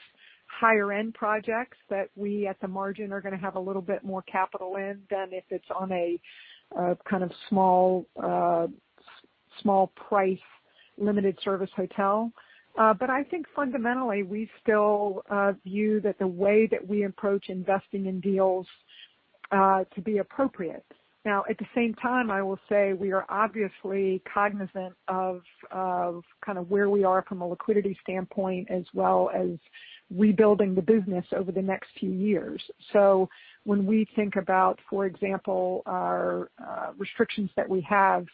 higher-end projects that we at the margin are going to have a little bit more capital in than if it's on a kind of small price limited service hotel. I think fundamentally, we still view that the way that we approach investing in deals to be appropriate. At the same time, I will say we are obviously cognizant of where we are from a liquidity standpoint, as well as rebuilding the business over the next few years. When we think about, for example, our restrictions that we have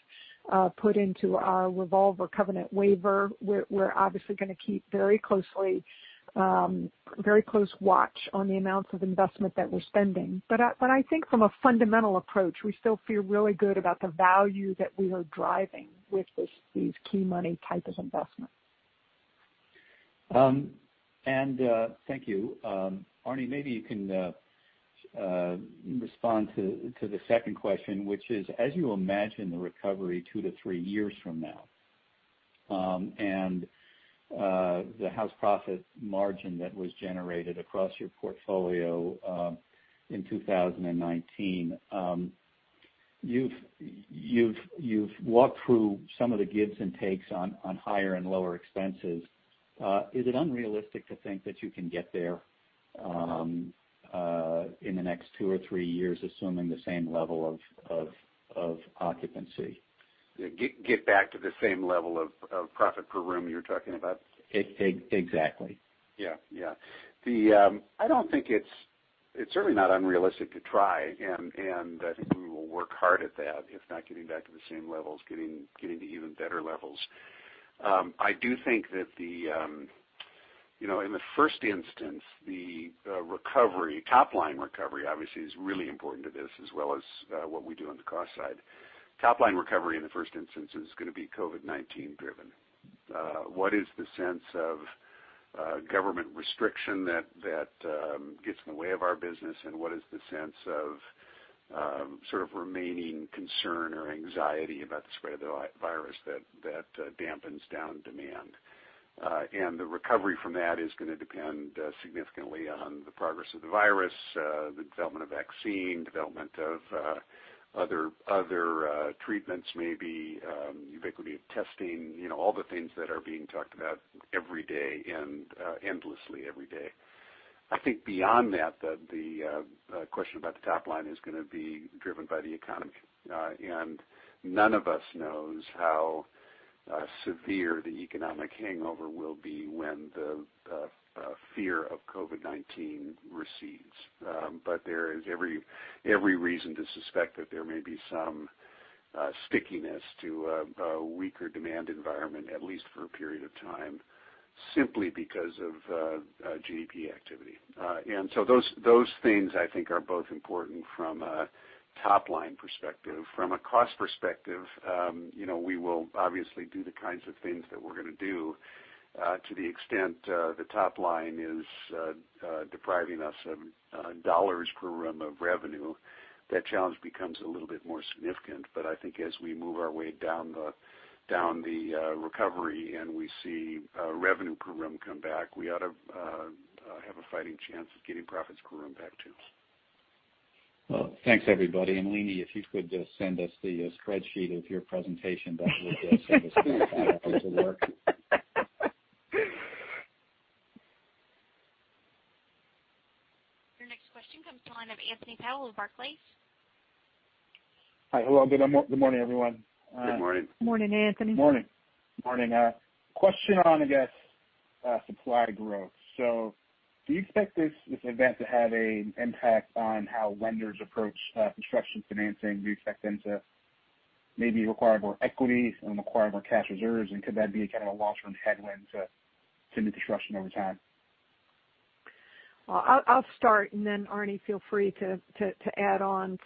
put into our revolver covenant waiver, we're obviously going to keep very close watch on the amounts of investment that we're spending. I think from a fundamental approach, we still feel really good about the value that we are driving with these key money type of investments. Thank you. Arne, maybe you can respond to the second question, which is, as you imagine the recovery two to three years from now, the house profit margin that was generated across your portfolio in 2019. You've walked through some of the gives and takes on higher and lower expenses. Is it unrealistic to think that you can get there in the next two or three years, assuming the same level of occupancy? Get back to the same level of profit per room you're talking about? Exactly. Yeah. I don't think it's certainly not unrealistic to try, and I think we will work hard at that, if not getting back to the same levels, getting to even better levels. I do think that in the first instance, the recovery, top-line recovery, obviously, is really important to this, as well as what we do on the cost side. Top-line recovery in the first instance is going to be COVID-19 driven. What is the sense of government restriction that gets in the way of our business, and what is the sense of sort of remaining concern or anxiety about the spread of the virus that dampens down demand? The recovery from that is going to depend significantly on the progress of the virus, the development of vaccine, development of other treatments, maybe ubiquity of testing, all the things that are being talked about every day and endlessly every day. I think beyond that, the question about the top line is going to be driven by the economy. None of us knows how severe the economic hangover will be when the fear of COVID-19 recedes. There is every reason to suspect that there may be some stickiness to a weaker demand environment, at least for a period of time, simply because of GDP activity. Those things I think are both important from a top-line perspective. From a cost perspective, we will obviously do the kinds of things that we're going to do to the extent the top line is depriving us of dollars per room of revenue. That challenge becomes a little bit more significant. I think as we move our way down the recovery and we see revenue per room come back, we ought to have a fighting chance of getting profits per room back, too. Well, thanks, everybody. Leeny, if you could just send us the spreadsheet of your presentation, that would be of service to help us at work. Your next question comes to the line of Anthony Powell of Barclays. Hi. Hello, good morning everyone. Good morning. Morning, Anthony. Morning. Morning. Question on, I guess, supply growth. Do you expect this event to have an impact on how lenders approach construction financing? Do you expect them to maybe require more equity and require more cash reserves? Could that be a kind of a long-term headwind to new construction over time? I'll start, and then Arne, feel free to add on.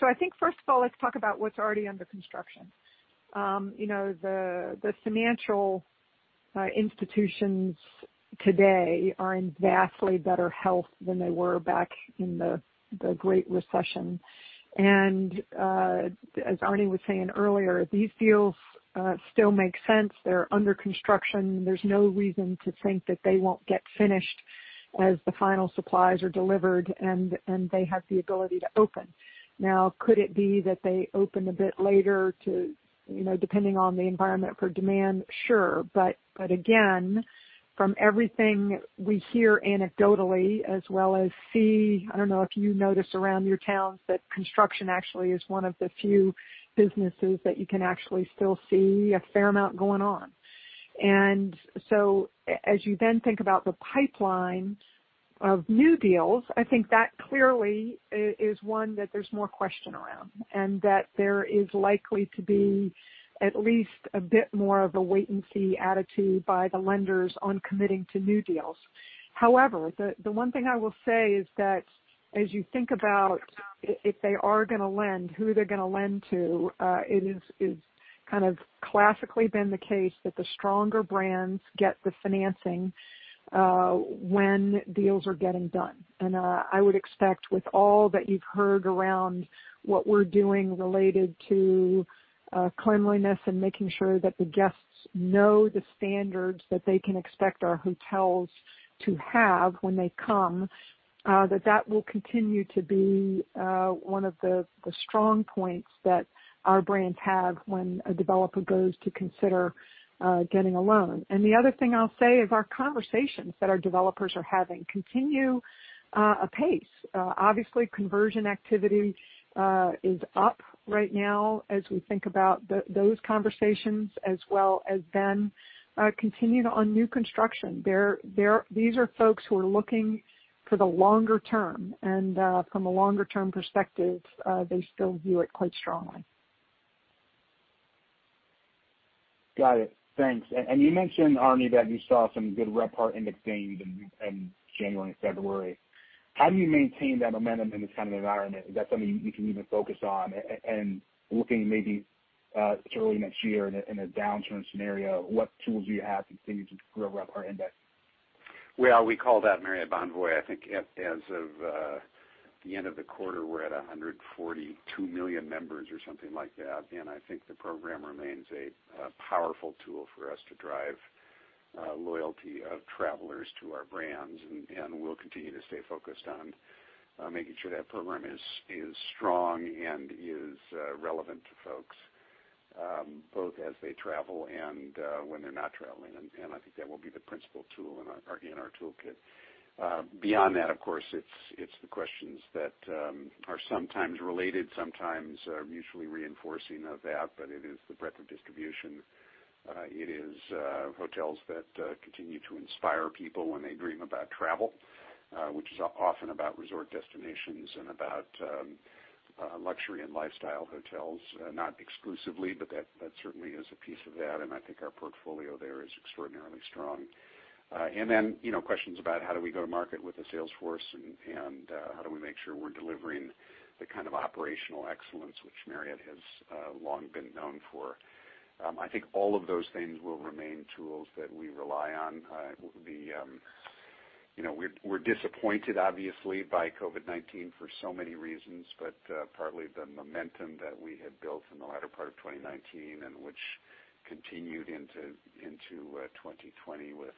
I think first of all, let's talk about what's already under construction. The financial institutions today are in vastly better health than they were back in the Great Recession. As Arne was saying earlier, these deals still make sense. They're under construction. There's no reason to think that they won't get finished as the final supplies are delivered and they have the ability to open. Could it be that they open a bit later depending on the environment for demand? Sure. Again, from everything we hear anecdotally as well as see, I don't know if you notice around your towns, but construction actually is one of the few businesses that you can actually still see a fair amount going on. As you then think about the pipeline of new deals, I think that clearly is one that there's more question around, and that there is likely to be at least a bit more of a wait-and-see attitude by the lenders on committing to new deals. The one thing I will say is that as you think about if they are going to lend, who they're going to lend to, it is classically been the case that the stronger brands get the financing when deals are getting done. I would expect with all that you've heard around what we're doing related to cleanliness and making sure that the guests know the standards that they can expect our hotels to have when they come, that that will continue to be one of the strong points that our brands have when a developer goes to consider getting a loan. The other thing I'll say is our conversations that our developers are having continue apace. Obviously, conversion activity is up right now as we think about those conversations as well as then continued on new construction. These are folks who are looking for the longer term, and from a longer term perspective, they still view it quite strongly. Got it. Thanks. You mentioned, Arne, that you saw some good RevPAR index gains in January and February. How do you maintain that momentum in this kind of environment? Is that something you can even focus on? Looking maybe to early next year in a downturn scenario, what tools do you have to continue to grow RevPAR index? Well, we call that Marriott Bonvoy. I think as of the end of the quarter, we're at 142 million members or something like that. I think the program remains a powerful tool for us to drive loyalty of travelers to our brands. We'll continue to stay focused on making sure that program is strong and is relevant to folks both as they travel and when they're not traveling. I think that will be the principal tool in our toolkit. Beyond that, of course, it's the questions that are sometimes related, sometimes mutually reinforcing of that, but it is the breadth of distribution. It is hotels that continue to inspire people when they dream about travel, which is often about resort destinations and about luxury and lifestyle hotels. Not exclusively, but that certainly is a piece of that, and I think our portfolio there is extraordinarily strong. Questions about how do we go to market with the sales force and how do we make sure we're delivering the kind of operational excellence which Marriott has long been known for. I think all of those things will remain tools that we rely on. We're disappointed obviously by COVID-19 for so many reasons, but partly the momentum that we had built in the latter part of 2019 and which continued into 2020 with,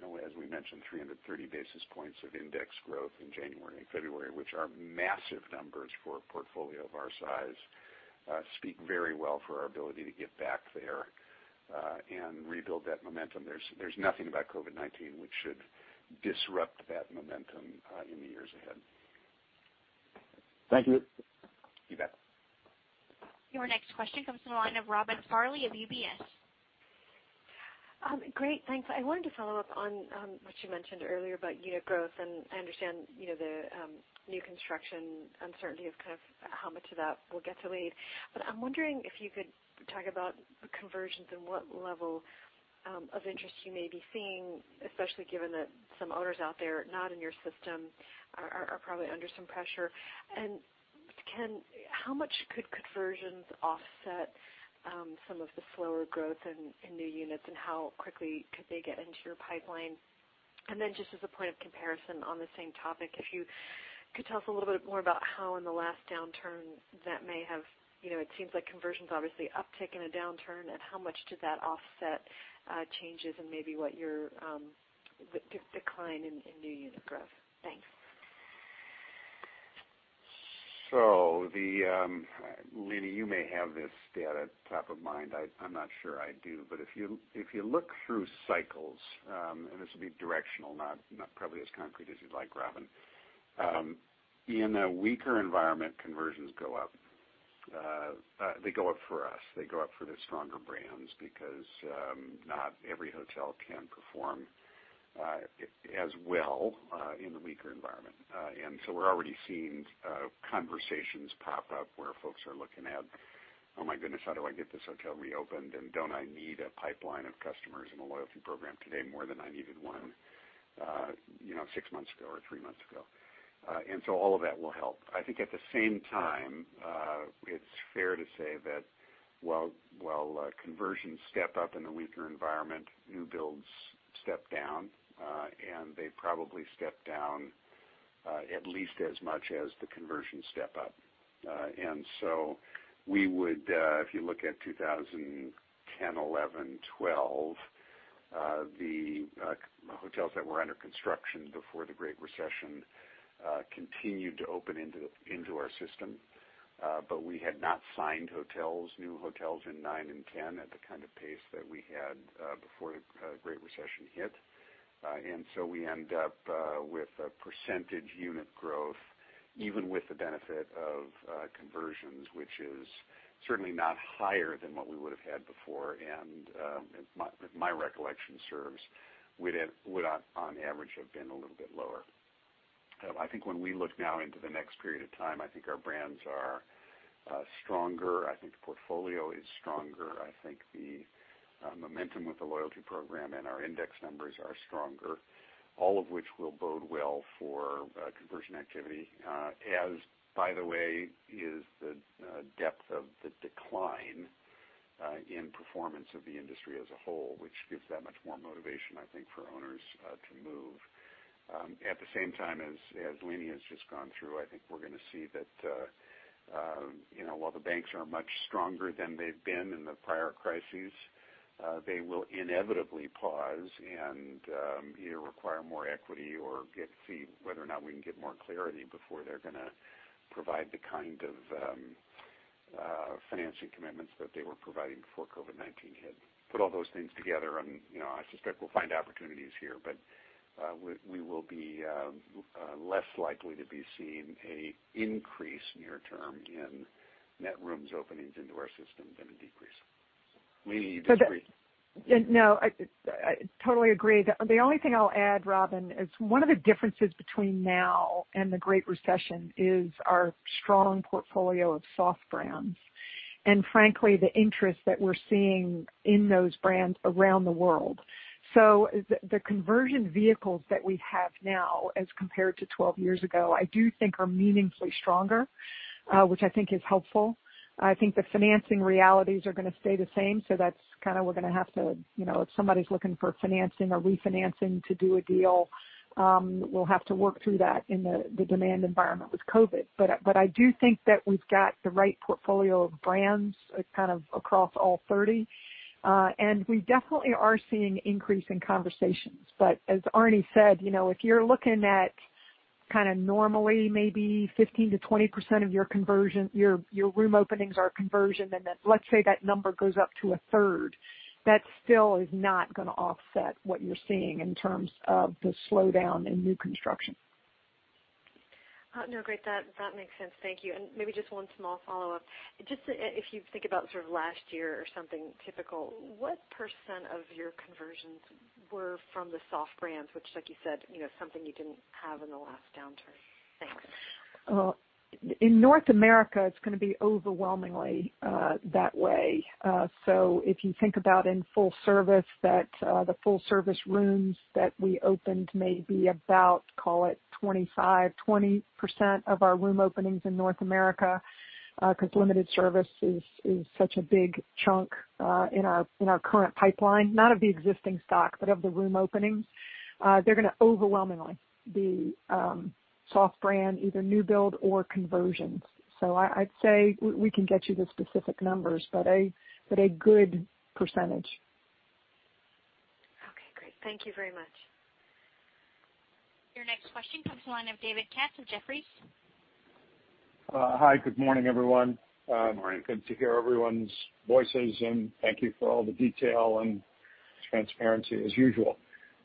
as we mentioned, 330 basis points of index growth in January and February, which are massive numbers for a portfolio of our size, speak very well for our ability to get back there and rebuild that momentum. There's nothing about COVID-19 which should disrupt that momentum in the years ahead. Thank you. You bet. Your next question comes from the line of Robin Farley of UBS. Great. Thanks. I wanted to follow up on what you mentioned earlier about unit growth. I understand the new construction uncertainty of how much of that will get delayed. I'm wondering if you could talk about the conversions and what level of interest you may be seeing, especially given that some owners out there not in your system are probably under some pressure. How much could conversions offset some of the slower growth in new units, and how quickly could they get into your pipeline? Just as a point of comparison on the same topic, if you could tell us a little bit more about how in the last downturn, it seems like conversions obviously uptick in a downturn, and how much did that offset changes and maybe what your decline in new unit growth? Thanks. Leeny, you may have this data top of mind. I'm not sure I do. If you look through cycles, and this will be directional, not probably as concrete as you'd like, Robin. In a weaker environment, conversions go up. They go up for us. They go up for the stronger brands because not every hotel can perform as well in a weaker environment. We're already seeing conversations pop up where folks are looking at, "Oh my goodness, how do I get this hotel reopened? Don't I need a pipeline of customers in a loyalty program today more than I needed one six months ago or three months ago?" All of that will help. I think at the same time, it's fair to say that while conversions step up in a weaker environment, new builds step down. They probably step down at least as much as the conversions step up. If you look at 2010, 2011, 2012. The hotels that were under construction before the Great Recession continued to open into our system. We had not signed new hotels in 2009 and 2010 at the kind of pace that we had before the Great Recession hit. We end up with a percentage unit growth, even with the benefit of conversions, which is certainly not higher than what we would have had before. If my recollection serves, would on average have been a little bit lower. I think when we look now into the next period of time, I think our brands are stronger. I think the portfolio is stronger. I think the momentum with the loyalty program and our index numbers are stronger. All of which will bode well for conversion activity. As, by the way, is the depth of the decline in performance of the industry as a whole, which gives that much more motivation, I think, for owners to move. At the same time, as Leeny has just gone through, I think we're going to see that while the banks are much stronger than they've been in the prior crises, they will inevitably pause and either require more equity or see whether or not we can get more clarity before they're going to provide the kind of financing commitments that they were providing before COVID-19 hit. I suspect we'll find opportunities here. We will be less likely to be seeing an increase near term in net rooms openings into our system than a decrease. Leeny, do you disagree? No, I totally agree. The only thing I'll add, Robin, is one of the differences between now and the Great Recession is our strong portfolio of soft brands and frankly, the interest that we're seeing in those brands around the world. The conversion vehicles that we have now as compared to 12 years ago, I do think are meaningfully stronger, which I think is helpful. I think the financing realities are going to stay the same, so if somebody's looking for financing or refinancing to do a deal, we'll have to work through that in the demand environment with COVID. I do think that we've got the right portfolio of brands across all 30. We definitely are seeing increase in conversations. As Arne said, if you're looking at normally maybe 15%-20% of your room openings are conversion, and then let's say that number goes up to a 1/3, that still is not going to offset what you're seeing in terms of the slowdown in new construction. No, great. That makes sense. Thank you. Maybe just one small follow-up. Just if you think about last year or something typical, what percent of your conversions were from the soft brands, which, like you said, something you didn't have in the last downturn? Thanks. In North America, it's going to be overwhelmingly that way. If you think about in full service, that the full service rooms that we opened may be about, call it 25%, 20% of our room openings in North America, because limited service is such a big chunk in our current pipeline, not of the existing stock, but of the room openings. They're going to overwhelmingly be soft brand, either new build or conversions. I'd say we can get you the specific numbers, but a good percentage. Okay, great. Thank you very much. Your next question comes the line of David Katz of Jefferies. Hi. Good morning, everyone. Morning. Good to hear everyone's voices, and thank you for all the detail and transparency as usual.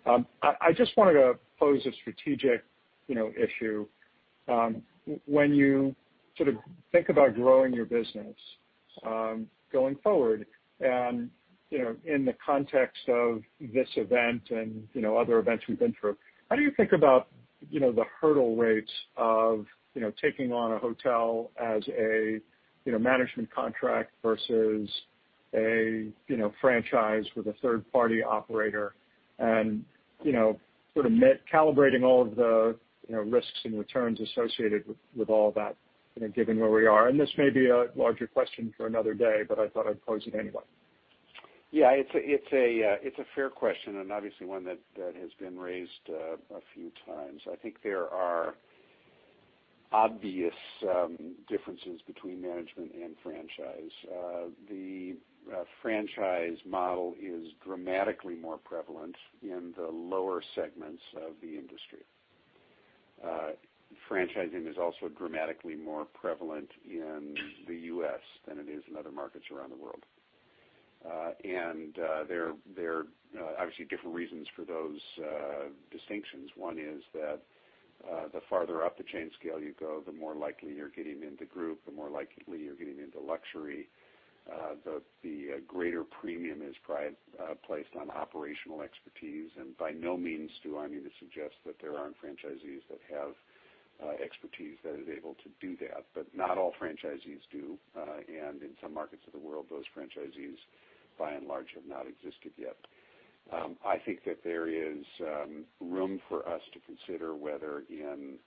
I just wanted to pose a strategic issue. When you think about growing your business going forward and in the context of this event and other events we've been through, how do you think about the hurdle rates of taking on a hotel as a management contract versus a franchise with a third-party operator and calibrating all of the risks and returns associated with all that, given where we are? This may be a larger question for another day, but I thought I'd pose it anyway. Yeah, it's a fair question, and obviously one that has been raised a few times. I think there are obvious differences between management and franchise. The franchise model is dramatically more prevalent in the lower segments of the industry. Franchising is also dramatically more prevalent in the U.S. than it is in other markets around the world. There are obviously different reasons for those distinctions. One is that the farther up the chain scale you go, the more likely you're getting into group, the more likely you're getting into luxury. The greater premium is placed on operational expertise, and by no means do I mean to suggest that there aren't franchisees that have expertise that is able to do that. Not all franchisees do. In some markets of the world, those franchisees, by and large, have not existed yet. I think that there is room for us to consider whether in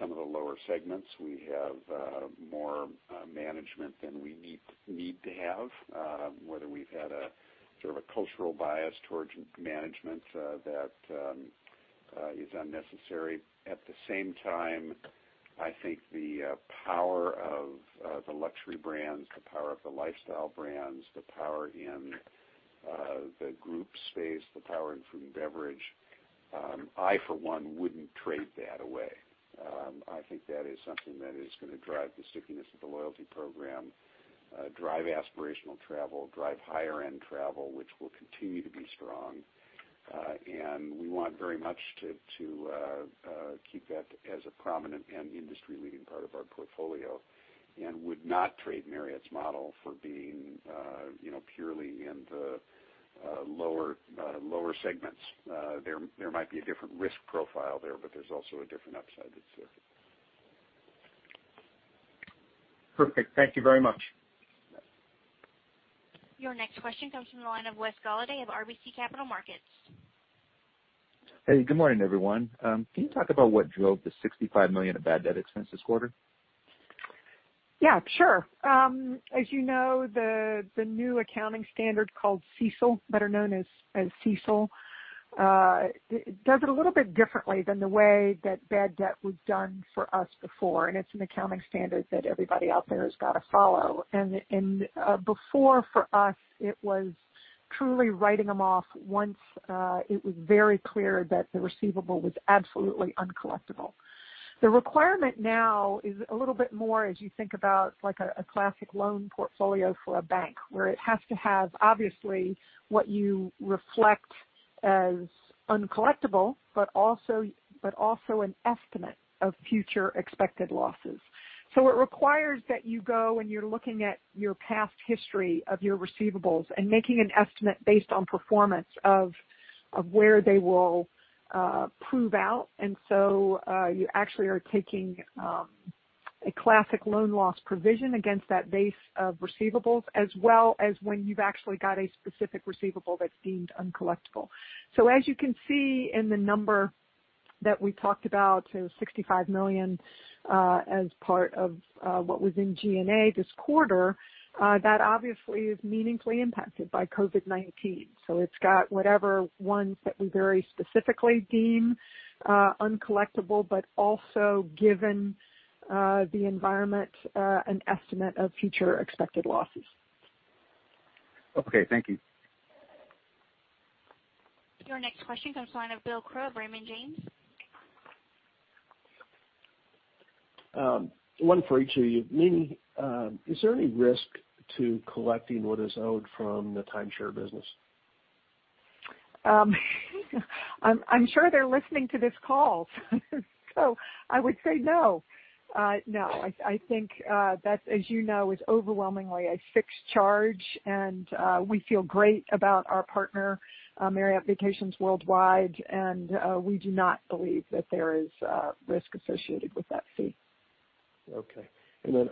some of the lower segments, we have more management than we need to have, whether we've had a cultural bias towards management that is unnecessary. At the same time, I think the power of the luxury brands, the power of the lifestyle brands, the power in the group space, the power in food and beverage, I, for one, wouldn't trade that away. I think that is something that is going to drive the stickiness of the loyalty program, drive aspirational travel, drive higher-end travel, which will continue to be strong. We want very much to keep that as a prominent and industry-leading part of our portfolio, and would not trade Marriott's model for being purely in the lower segments. There might be a different risk profile there, but there's also a different upside that's there. Perfect. Thank you very much. Your next question comes from the line of Wes Golladay of RBC Capital Markets. Hey, good morning, everyone. Can you talk about what drove the $65 million of bad debt expense this quarter? Yeah, sure. As you know, the new accounting standard called CECL, better known as CECL, does it a little bit differently than the way that bad debt was done for us before. It's an accounting standard that everybody out there has got to follow. Before, for us, it was truly writing them off once it was very clear that the receivable was absolutely uncollectible. The requirement now is a little bit more as you think about a classic loan portfolio for a bank, where it has to have, obviously, what you reflect as uncollectible, but also an estimate of future expected losses. It requires that you go and you're looking at your past history of your receivables and making an estimate based on performance of where they will prove out. You actually are taking a classic loan loss provision against that base of receivables, as well as when you've actually got a specific receivable that's deemed uncollectible. As you can see in the number that we talked about, it was $65 million as part of what was in G&A this quarter. That obviously is meaningfully impacted by COVID-19. It's got whatever ones that we very specifically deem uncollectible, but also given the environment, an estimate of future expected losses. Okay, thank you. Your next question comes from the line of William Crow, Raymond James. One for each of you. Leeny, is there any risk to collecting what is owed from the timeshare business? I'm sure they're listening to this call, so I would say no. No, I think that, as you know, is overwhelmingly a fixed charge, and we feel great about our partner, Marriott Vacations Worldwide, and we do not believe that there is risk associated with that fee. Okay.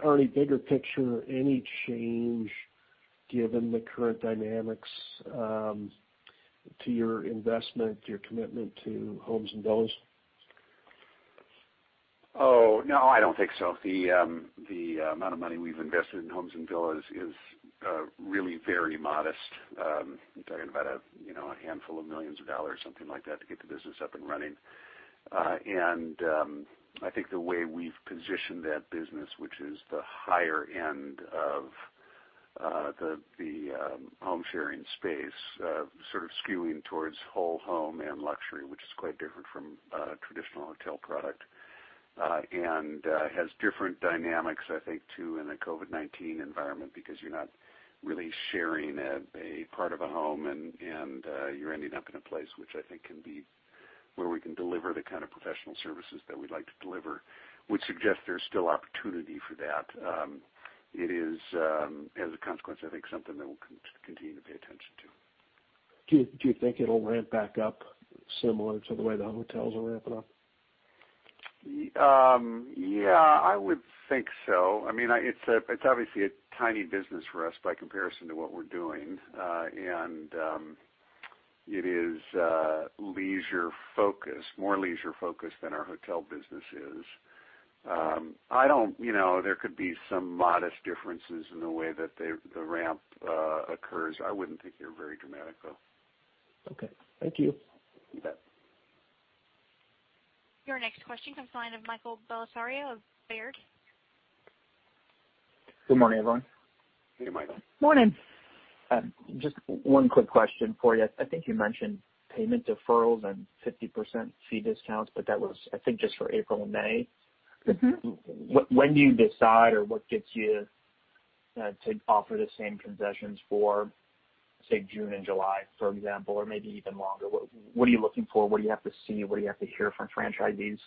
Arne, bigger picture, any change given the current dynamics to your investment, your commitment to Homes & Villas? Oh, no, I don't think so. The amount of money we've invested in Homes & Villas is really very modest. I'm talking about a handful of millions of dollars, something like that, to get the business up and running. I think the way we've positioned that business, which is the higher end of the home-sharing space, sort of skewing towards whole home and luxury, which is quite different from a traditional hotel product, and has different dynamics, I think, too, in a COVID-19 environment, because you're not really sharing a part of a home and you're ending up in a place which I think can be where we can deliver the kind of professional services that we'd like to deliver, would suggest there's still opportunity for that. It is, as a consequence, I think, something that we'll continue to pay attention to. Do you think it'll ramp back up similar to the way the hotels are ramping up? Yeah, I would think so. It's obviously a tiny business for us by comparison to what we're doing. It is leisure-focused, more leisure-focused than our hotel business is. There could be some modest differences in the way that the ramp occurs. I wouldn't think they're very dramatic, though. Okay. Thank you. You bet. Your next question comes the line of Michael Bellisario of Baird. Good morning, everyone. Hey, Michael. Morning. Just one quick question for you. I think you mentioned payment deferrals and 50% fee discounts, but that was, I think, just for April and May? When do you decide or what gets you to offer the same concessions for, say, June and July, for example, or maybe even longer? What are you looking for? What do you have to see? What do you have to hear from franchisees?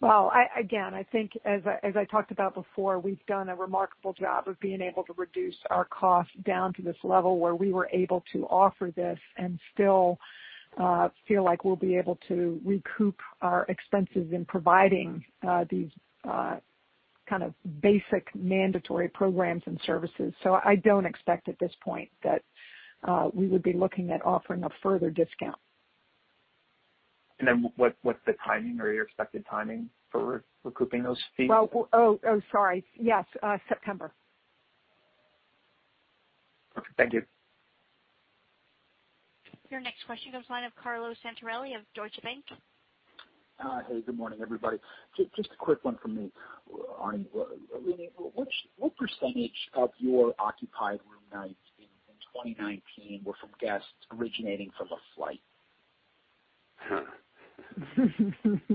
Well, again, I think as I talked about before, we've done a remarkable job of being able to reduce our cost down to this level where we were able to offer this and still feel like we'll be able to recoup our expenses in providing these kind of basic mandatory programs and services. I don't expect at this point that we would be looking at offering a further discount. What's the timing or your expected timing for recouping those fees? Oh, sorry. Yes. September. Thank you. Your next question comes line of Carlo Santarelli of Deutsche Bank. Hey, good morning, everybody. Just a quick one from me. Arne, what percentage of your occupied room nights in 2019 were from guests originating from a flight?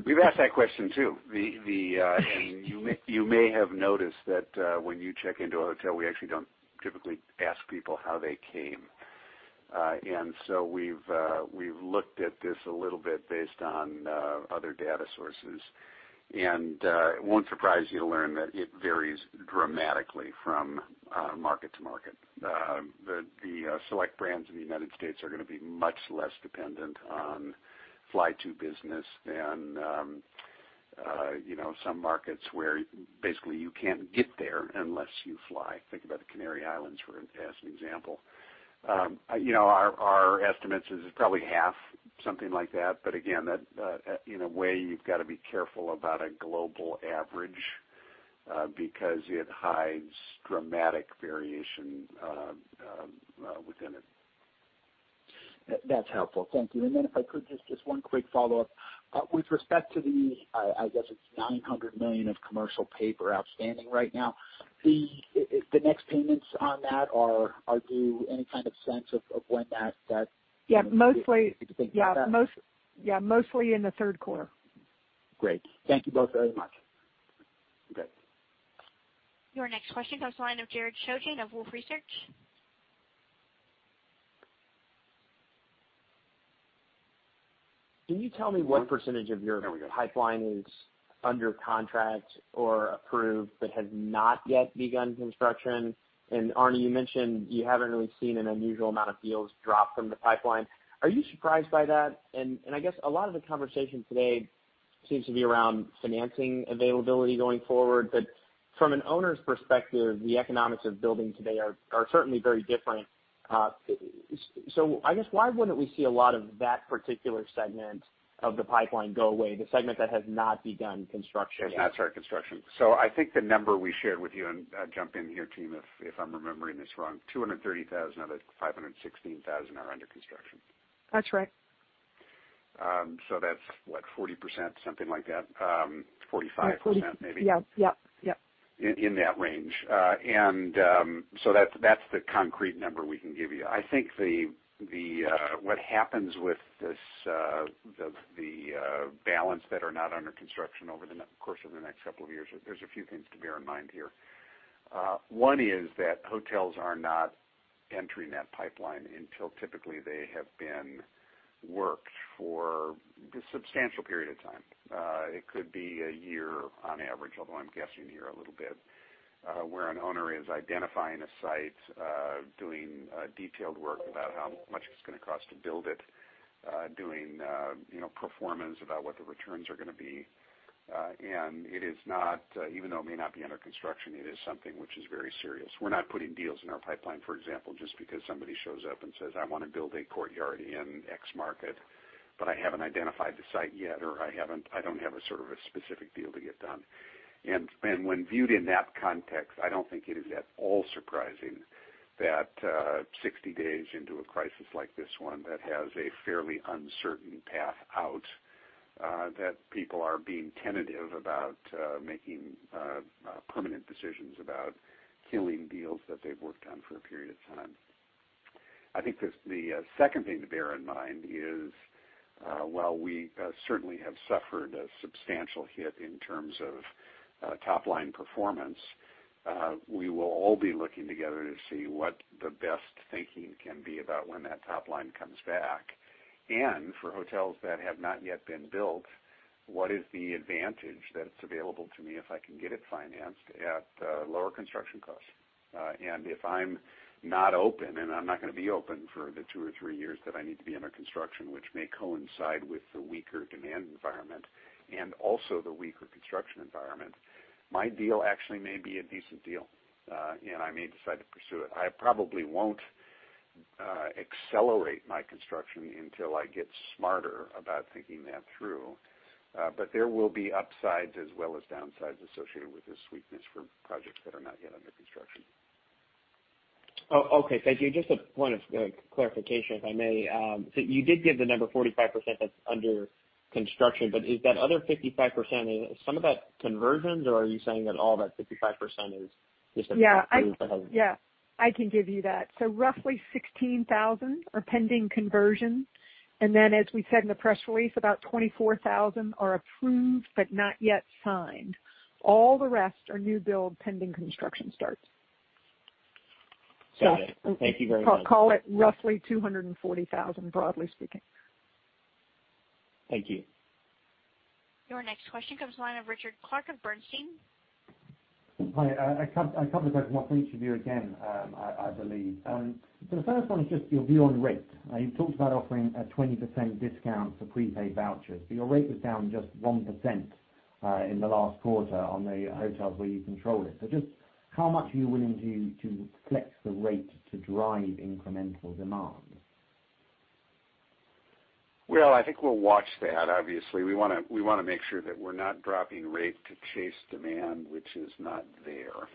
We've asked that question, too. You may have noticed that when you check into a hotel, we actually don't typically ask people how they came. We've looked at this a little bit based on other data sources. It won't surprise you to learn that it varies dramatically from market to market. The Select brands in the U.S. are going to be much less dependent on fly-to business than some markets where basically you can't get there unless you fly. Think about the Canary Islands as an example. Our estimates is probably half, something like that. Again, in a way, you've got to be careful about a global average, because it hides dramatic variation within it. That's helpful. Thank you. If I could, just one quick follow-up. With respect to the I guess it's $900 million of commercial paper outstanding right now, the next payments on that are due any kind of sense of when that? Yeah. Mostly in the third quarter. Great. Thank you both very much. Okay. Your next question comes the line of Jared Shojaian of Wolfe Research. Can you tell me what percentage of your pipeline is under contract or approved but has not yet begun construction? Arne, you mentioned you haven't really seen an unusual amount of deals drop from the pipeline. Are you surprised by that? I guess a lot of the conversation today seems to be around financing availability going forward. From an owner's perspective, the economics of building today are certainly very different. I guess why wouldn't we see a lot of that particular segment of the pipeline go away, the segment that has not begun construction? Has not started construction. I think the number we shared with you, and jump in here, team, if I'm remembering this wrong, 230,000 out of 516,000 are under construction. That's right. That's what? 40%, something like that. 45% maybe. Yeah. In that range. That's the concrete number we can give you. I think what happens with the balance that are not under construction over the course of the next couple of years, there's a few things to bear in mind here. One is that hotels are not entering that pipeline until typically they have been worked for a substantial period of time. It could be a year on average, although I'm guessing here a little bit, where an owner is identifying a site, doing detailed work about how much it's going to cost to build it, doing performance about what the returns are going to be. Even though it may not be under construction, it is something which is very serious. We're not putting deals in our pipeline, for example, just because somebody shows up and says, "I want to build a Courtyard in X market, but I haven't identified the site yet, or I don't have a specific deal to get done." When viewed in that context, I don't think it is at all surprising that 60 days into a crisis like this one that has a fairly uncertain path out, that people are being tentative about making permanent decisions about killing deals that they've worked on for a period of time. I think the second thing to bear in mind is, while we certainly have suffered a substantial hit in terms of top-line performance, we will all be looking together to see what the best thinking can be about when that top line comes back. For hotels that have not yet been built, what is the advantage that it's available to me if I can get it financed at lower construction costs? If I'm not open and I'm not going to be open for the two or three years that I need to be under construction, which may coincide with the weaker demand environment and also the weaker construction environment, my deal actually may be a decent deal, and I may decide to pursue it. I probably won't accelerate my construction until I get smarter about thinking that through. There will be upsides as well as downsides associated with this weakness for projects that are not yet under construction. Okay. Thank you. Just a point of clarification, if I may. You did give the number 45% that's under construction, but is that other 55%, is some of that conversions or are you saying that all that 55% is just approved? Yeah, I can give you that. Roughly 16,000 are pending conversion. As we said in the press release, about 24,000 are approved but not yet signed. All the rest are new build pending construction starts. Got it. Thank you very much. Call it roughly 240,000, broadly speaking. Thank you. Your next question comes the line of Richard Clarke of Bernstein. Hi. A couple of questions, one for each of you again, I believe. The first one is just your view on rate. You talked about offering a 20% discount for prepaid vouchers, but your rate was down just 1% in the last quarter on the hotels where you control it. Just how much are you willing to flex the rate to drive incremental demand? Well, I think we'll watch that, obviously. We want to make sure that we're not dropping rate to chase demand which is not there.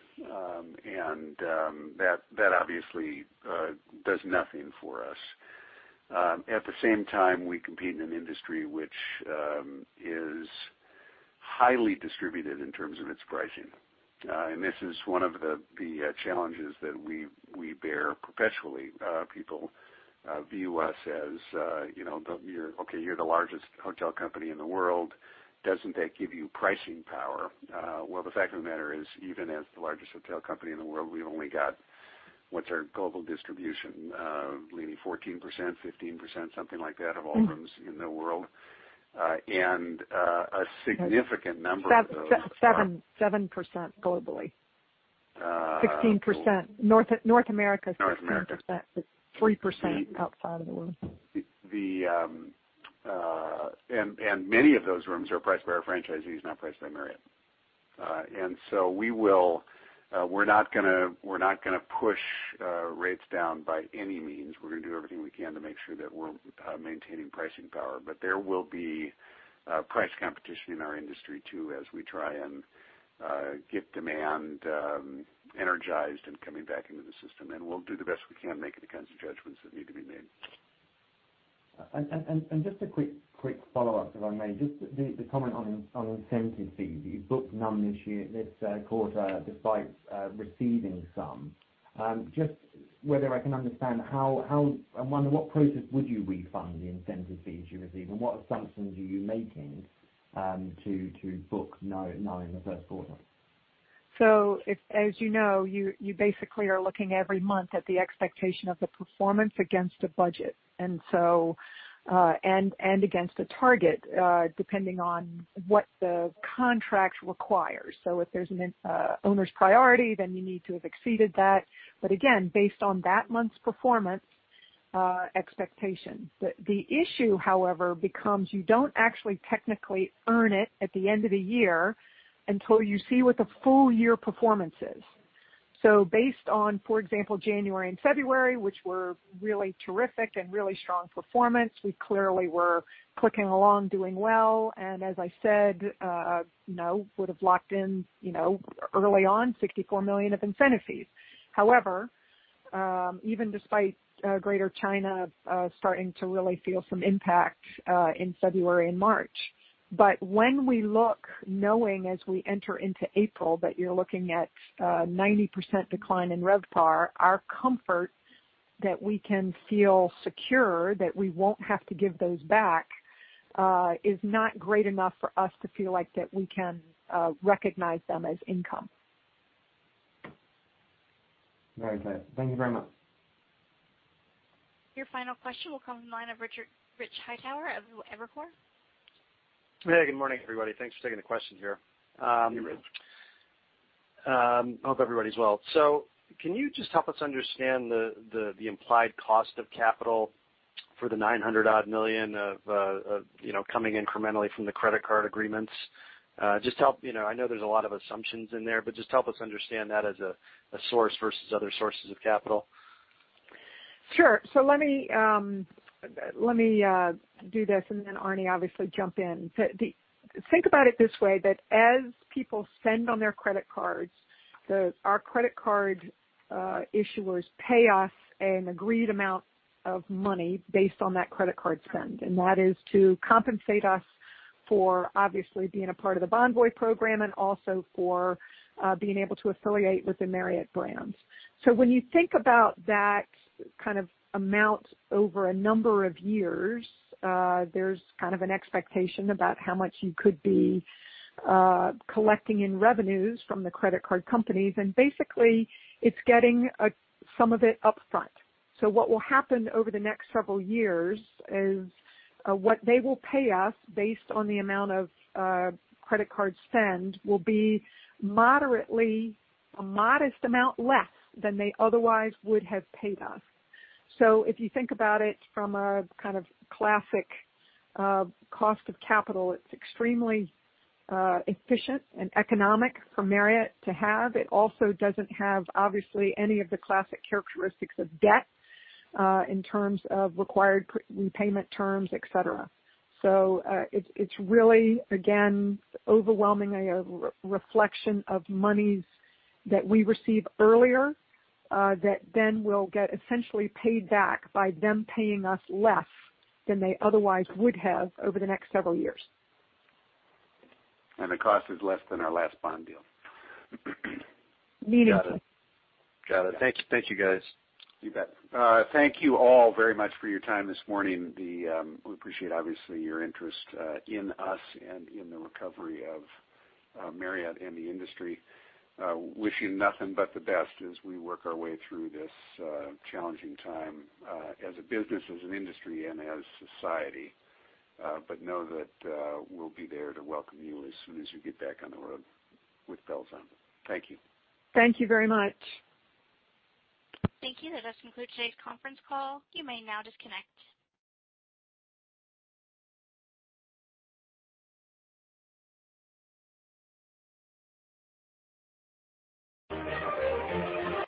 That obviously does nothing for us. At the same time, we compete in an industry which is highly distributed in terms of its pricing. This is one of the challenges that we bear perpetually. People view us as, okay, you're the largest hotel company in the world. Doesn't that give you pricing power? Well, the fact of the matter is, even as the largest hotel company in the world, we've only got, what's our global distribution? Maybe 14%, 15%, something like that, of all rooms in the world. A significant number of those are. 7% globally. 16%. North America is 16%. North America. It's 3% outside of the world. Many of those rooms are priced by our franchisees, not priced by Marriott. We're not going to push rates down by any means. We're going to do everything we can to make sure that we're maintaining pricing power. There will be price competition in our industry, too, as we try and get demand energized and coming back into the system. We'll do the best we can, making the kinds of judgments that need to be made. Just a quick follow-up, if I may. Just the comment on incentive fees. You booked none this quarter despite receiving some. I wonder what process would you refund the incentive fees you receive, and what assumptions are you making to book none in the first quarter? As you know, you basically are looking every month at the expectation of the performance against a budget and against a target, depending on what the contract requires. If there's an owner's priority, then you need to have exceeded that. Again, based on that month's performance expectation. The issue, however, becomes you don't actually technically earn it at the end of the year until you see what the full year performance is. Based on, for example, January and February, which were really terrific and really strong performance, we clearly were clicking along, doing well, and as I said, would've locked in early on, $64 million of incentive fees, even despite Greater China starting to really feel some impact in February and March. When we look, knowing as we enter into April, that you're looking at a 90% decline in RevPAR, our comfort that we can feel secure that we won't have to give those back is not great enough for us to feel like that we can recognize them as income. Very clear. Thank you very much. Your final question will come from the line of Rich Hightower of Evercore. Hey, good morning, everybody. Thanks for taking the question here. Hey, Rich. I hope everybody's well. Can you just help us understand the implied cost of capital for the $900 odd million coming incrementally from the credit card agreements? I know there's a lot of assumptions in there, just help us understand that as a source versus other sources of capital. Sure. Let me do this, and then Arne obviously jump in. Think about it this way, that as people spend on their credit cards, our credit card issuers pay us an agreed amount of money based on that credit card spend. That is to compensate us for obviously being a part of the Bonvoy program and also for being able to affiliate with the Marriott brand. When you think about that kind of amount over a number of years, there's an expectation about how much you could be collecting in revenues from the credit card companies. Basically, it's getting some of it upfront. What will happen over the next several years is what they will pay us based on the amount of credit card spend will be a modest amount less than they otherwise would have paid us. If you think about it from a classic cost of capital, it's extremely efficient and economic for Marriott to have. It also doesn't have, obviously, any of the classic characteristics of debt in terms of required repayment terms, et cetera. It's really, again, overwhelmingly a reflection of monies that we receive earlier that then will get essentially paid back by them paying us less than they otherwise would have over the next several years. The cost is less than our last bond deal. Meaningfully. Got it. Thank you, guys. You bet. Thank you all very much for your time this morning. We appreciate, obviously, your interest in us and in the recovery of Marriott International and the industry. Wish you nothing but the best as we work our way through this challenging time as a business, as an industry, and as society. Know that we'll be there to welcome you as soon as you get back on the road with bells on. Thank you. Thank you very much. Thank you. That does conclude today's conference call. You may now disconnect.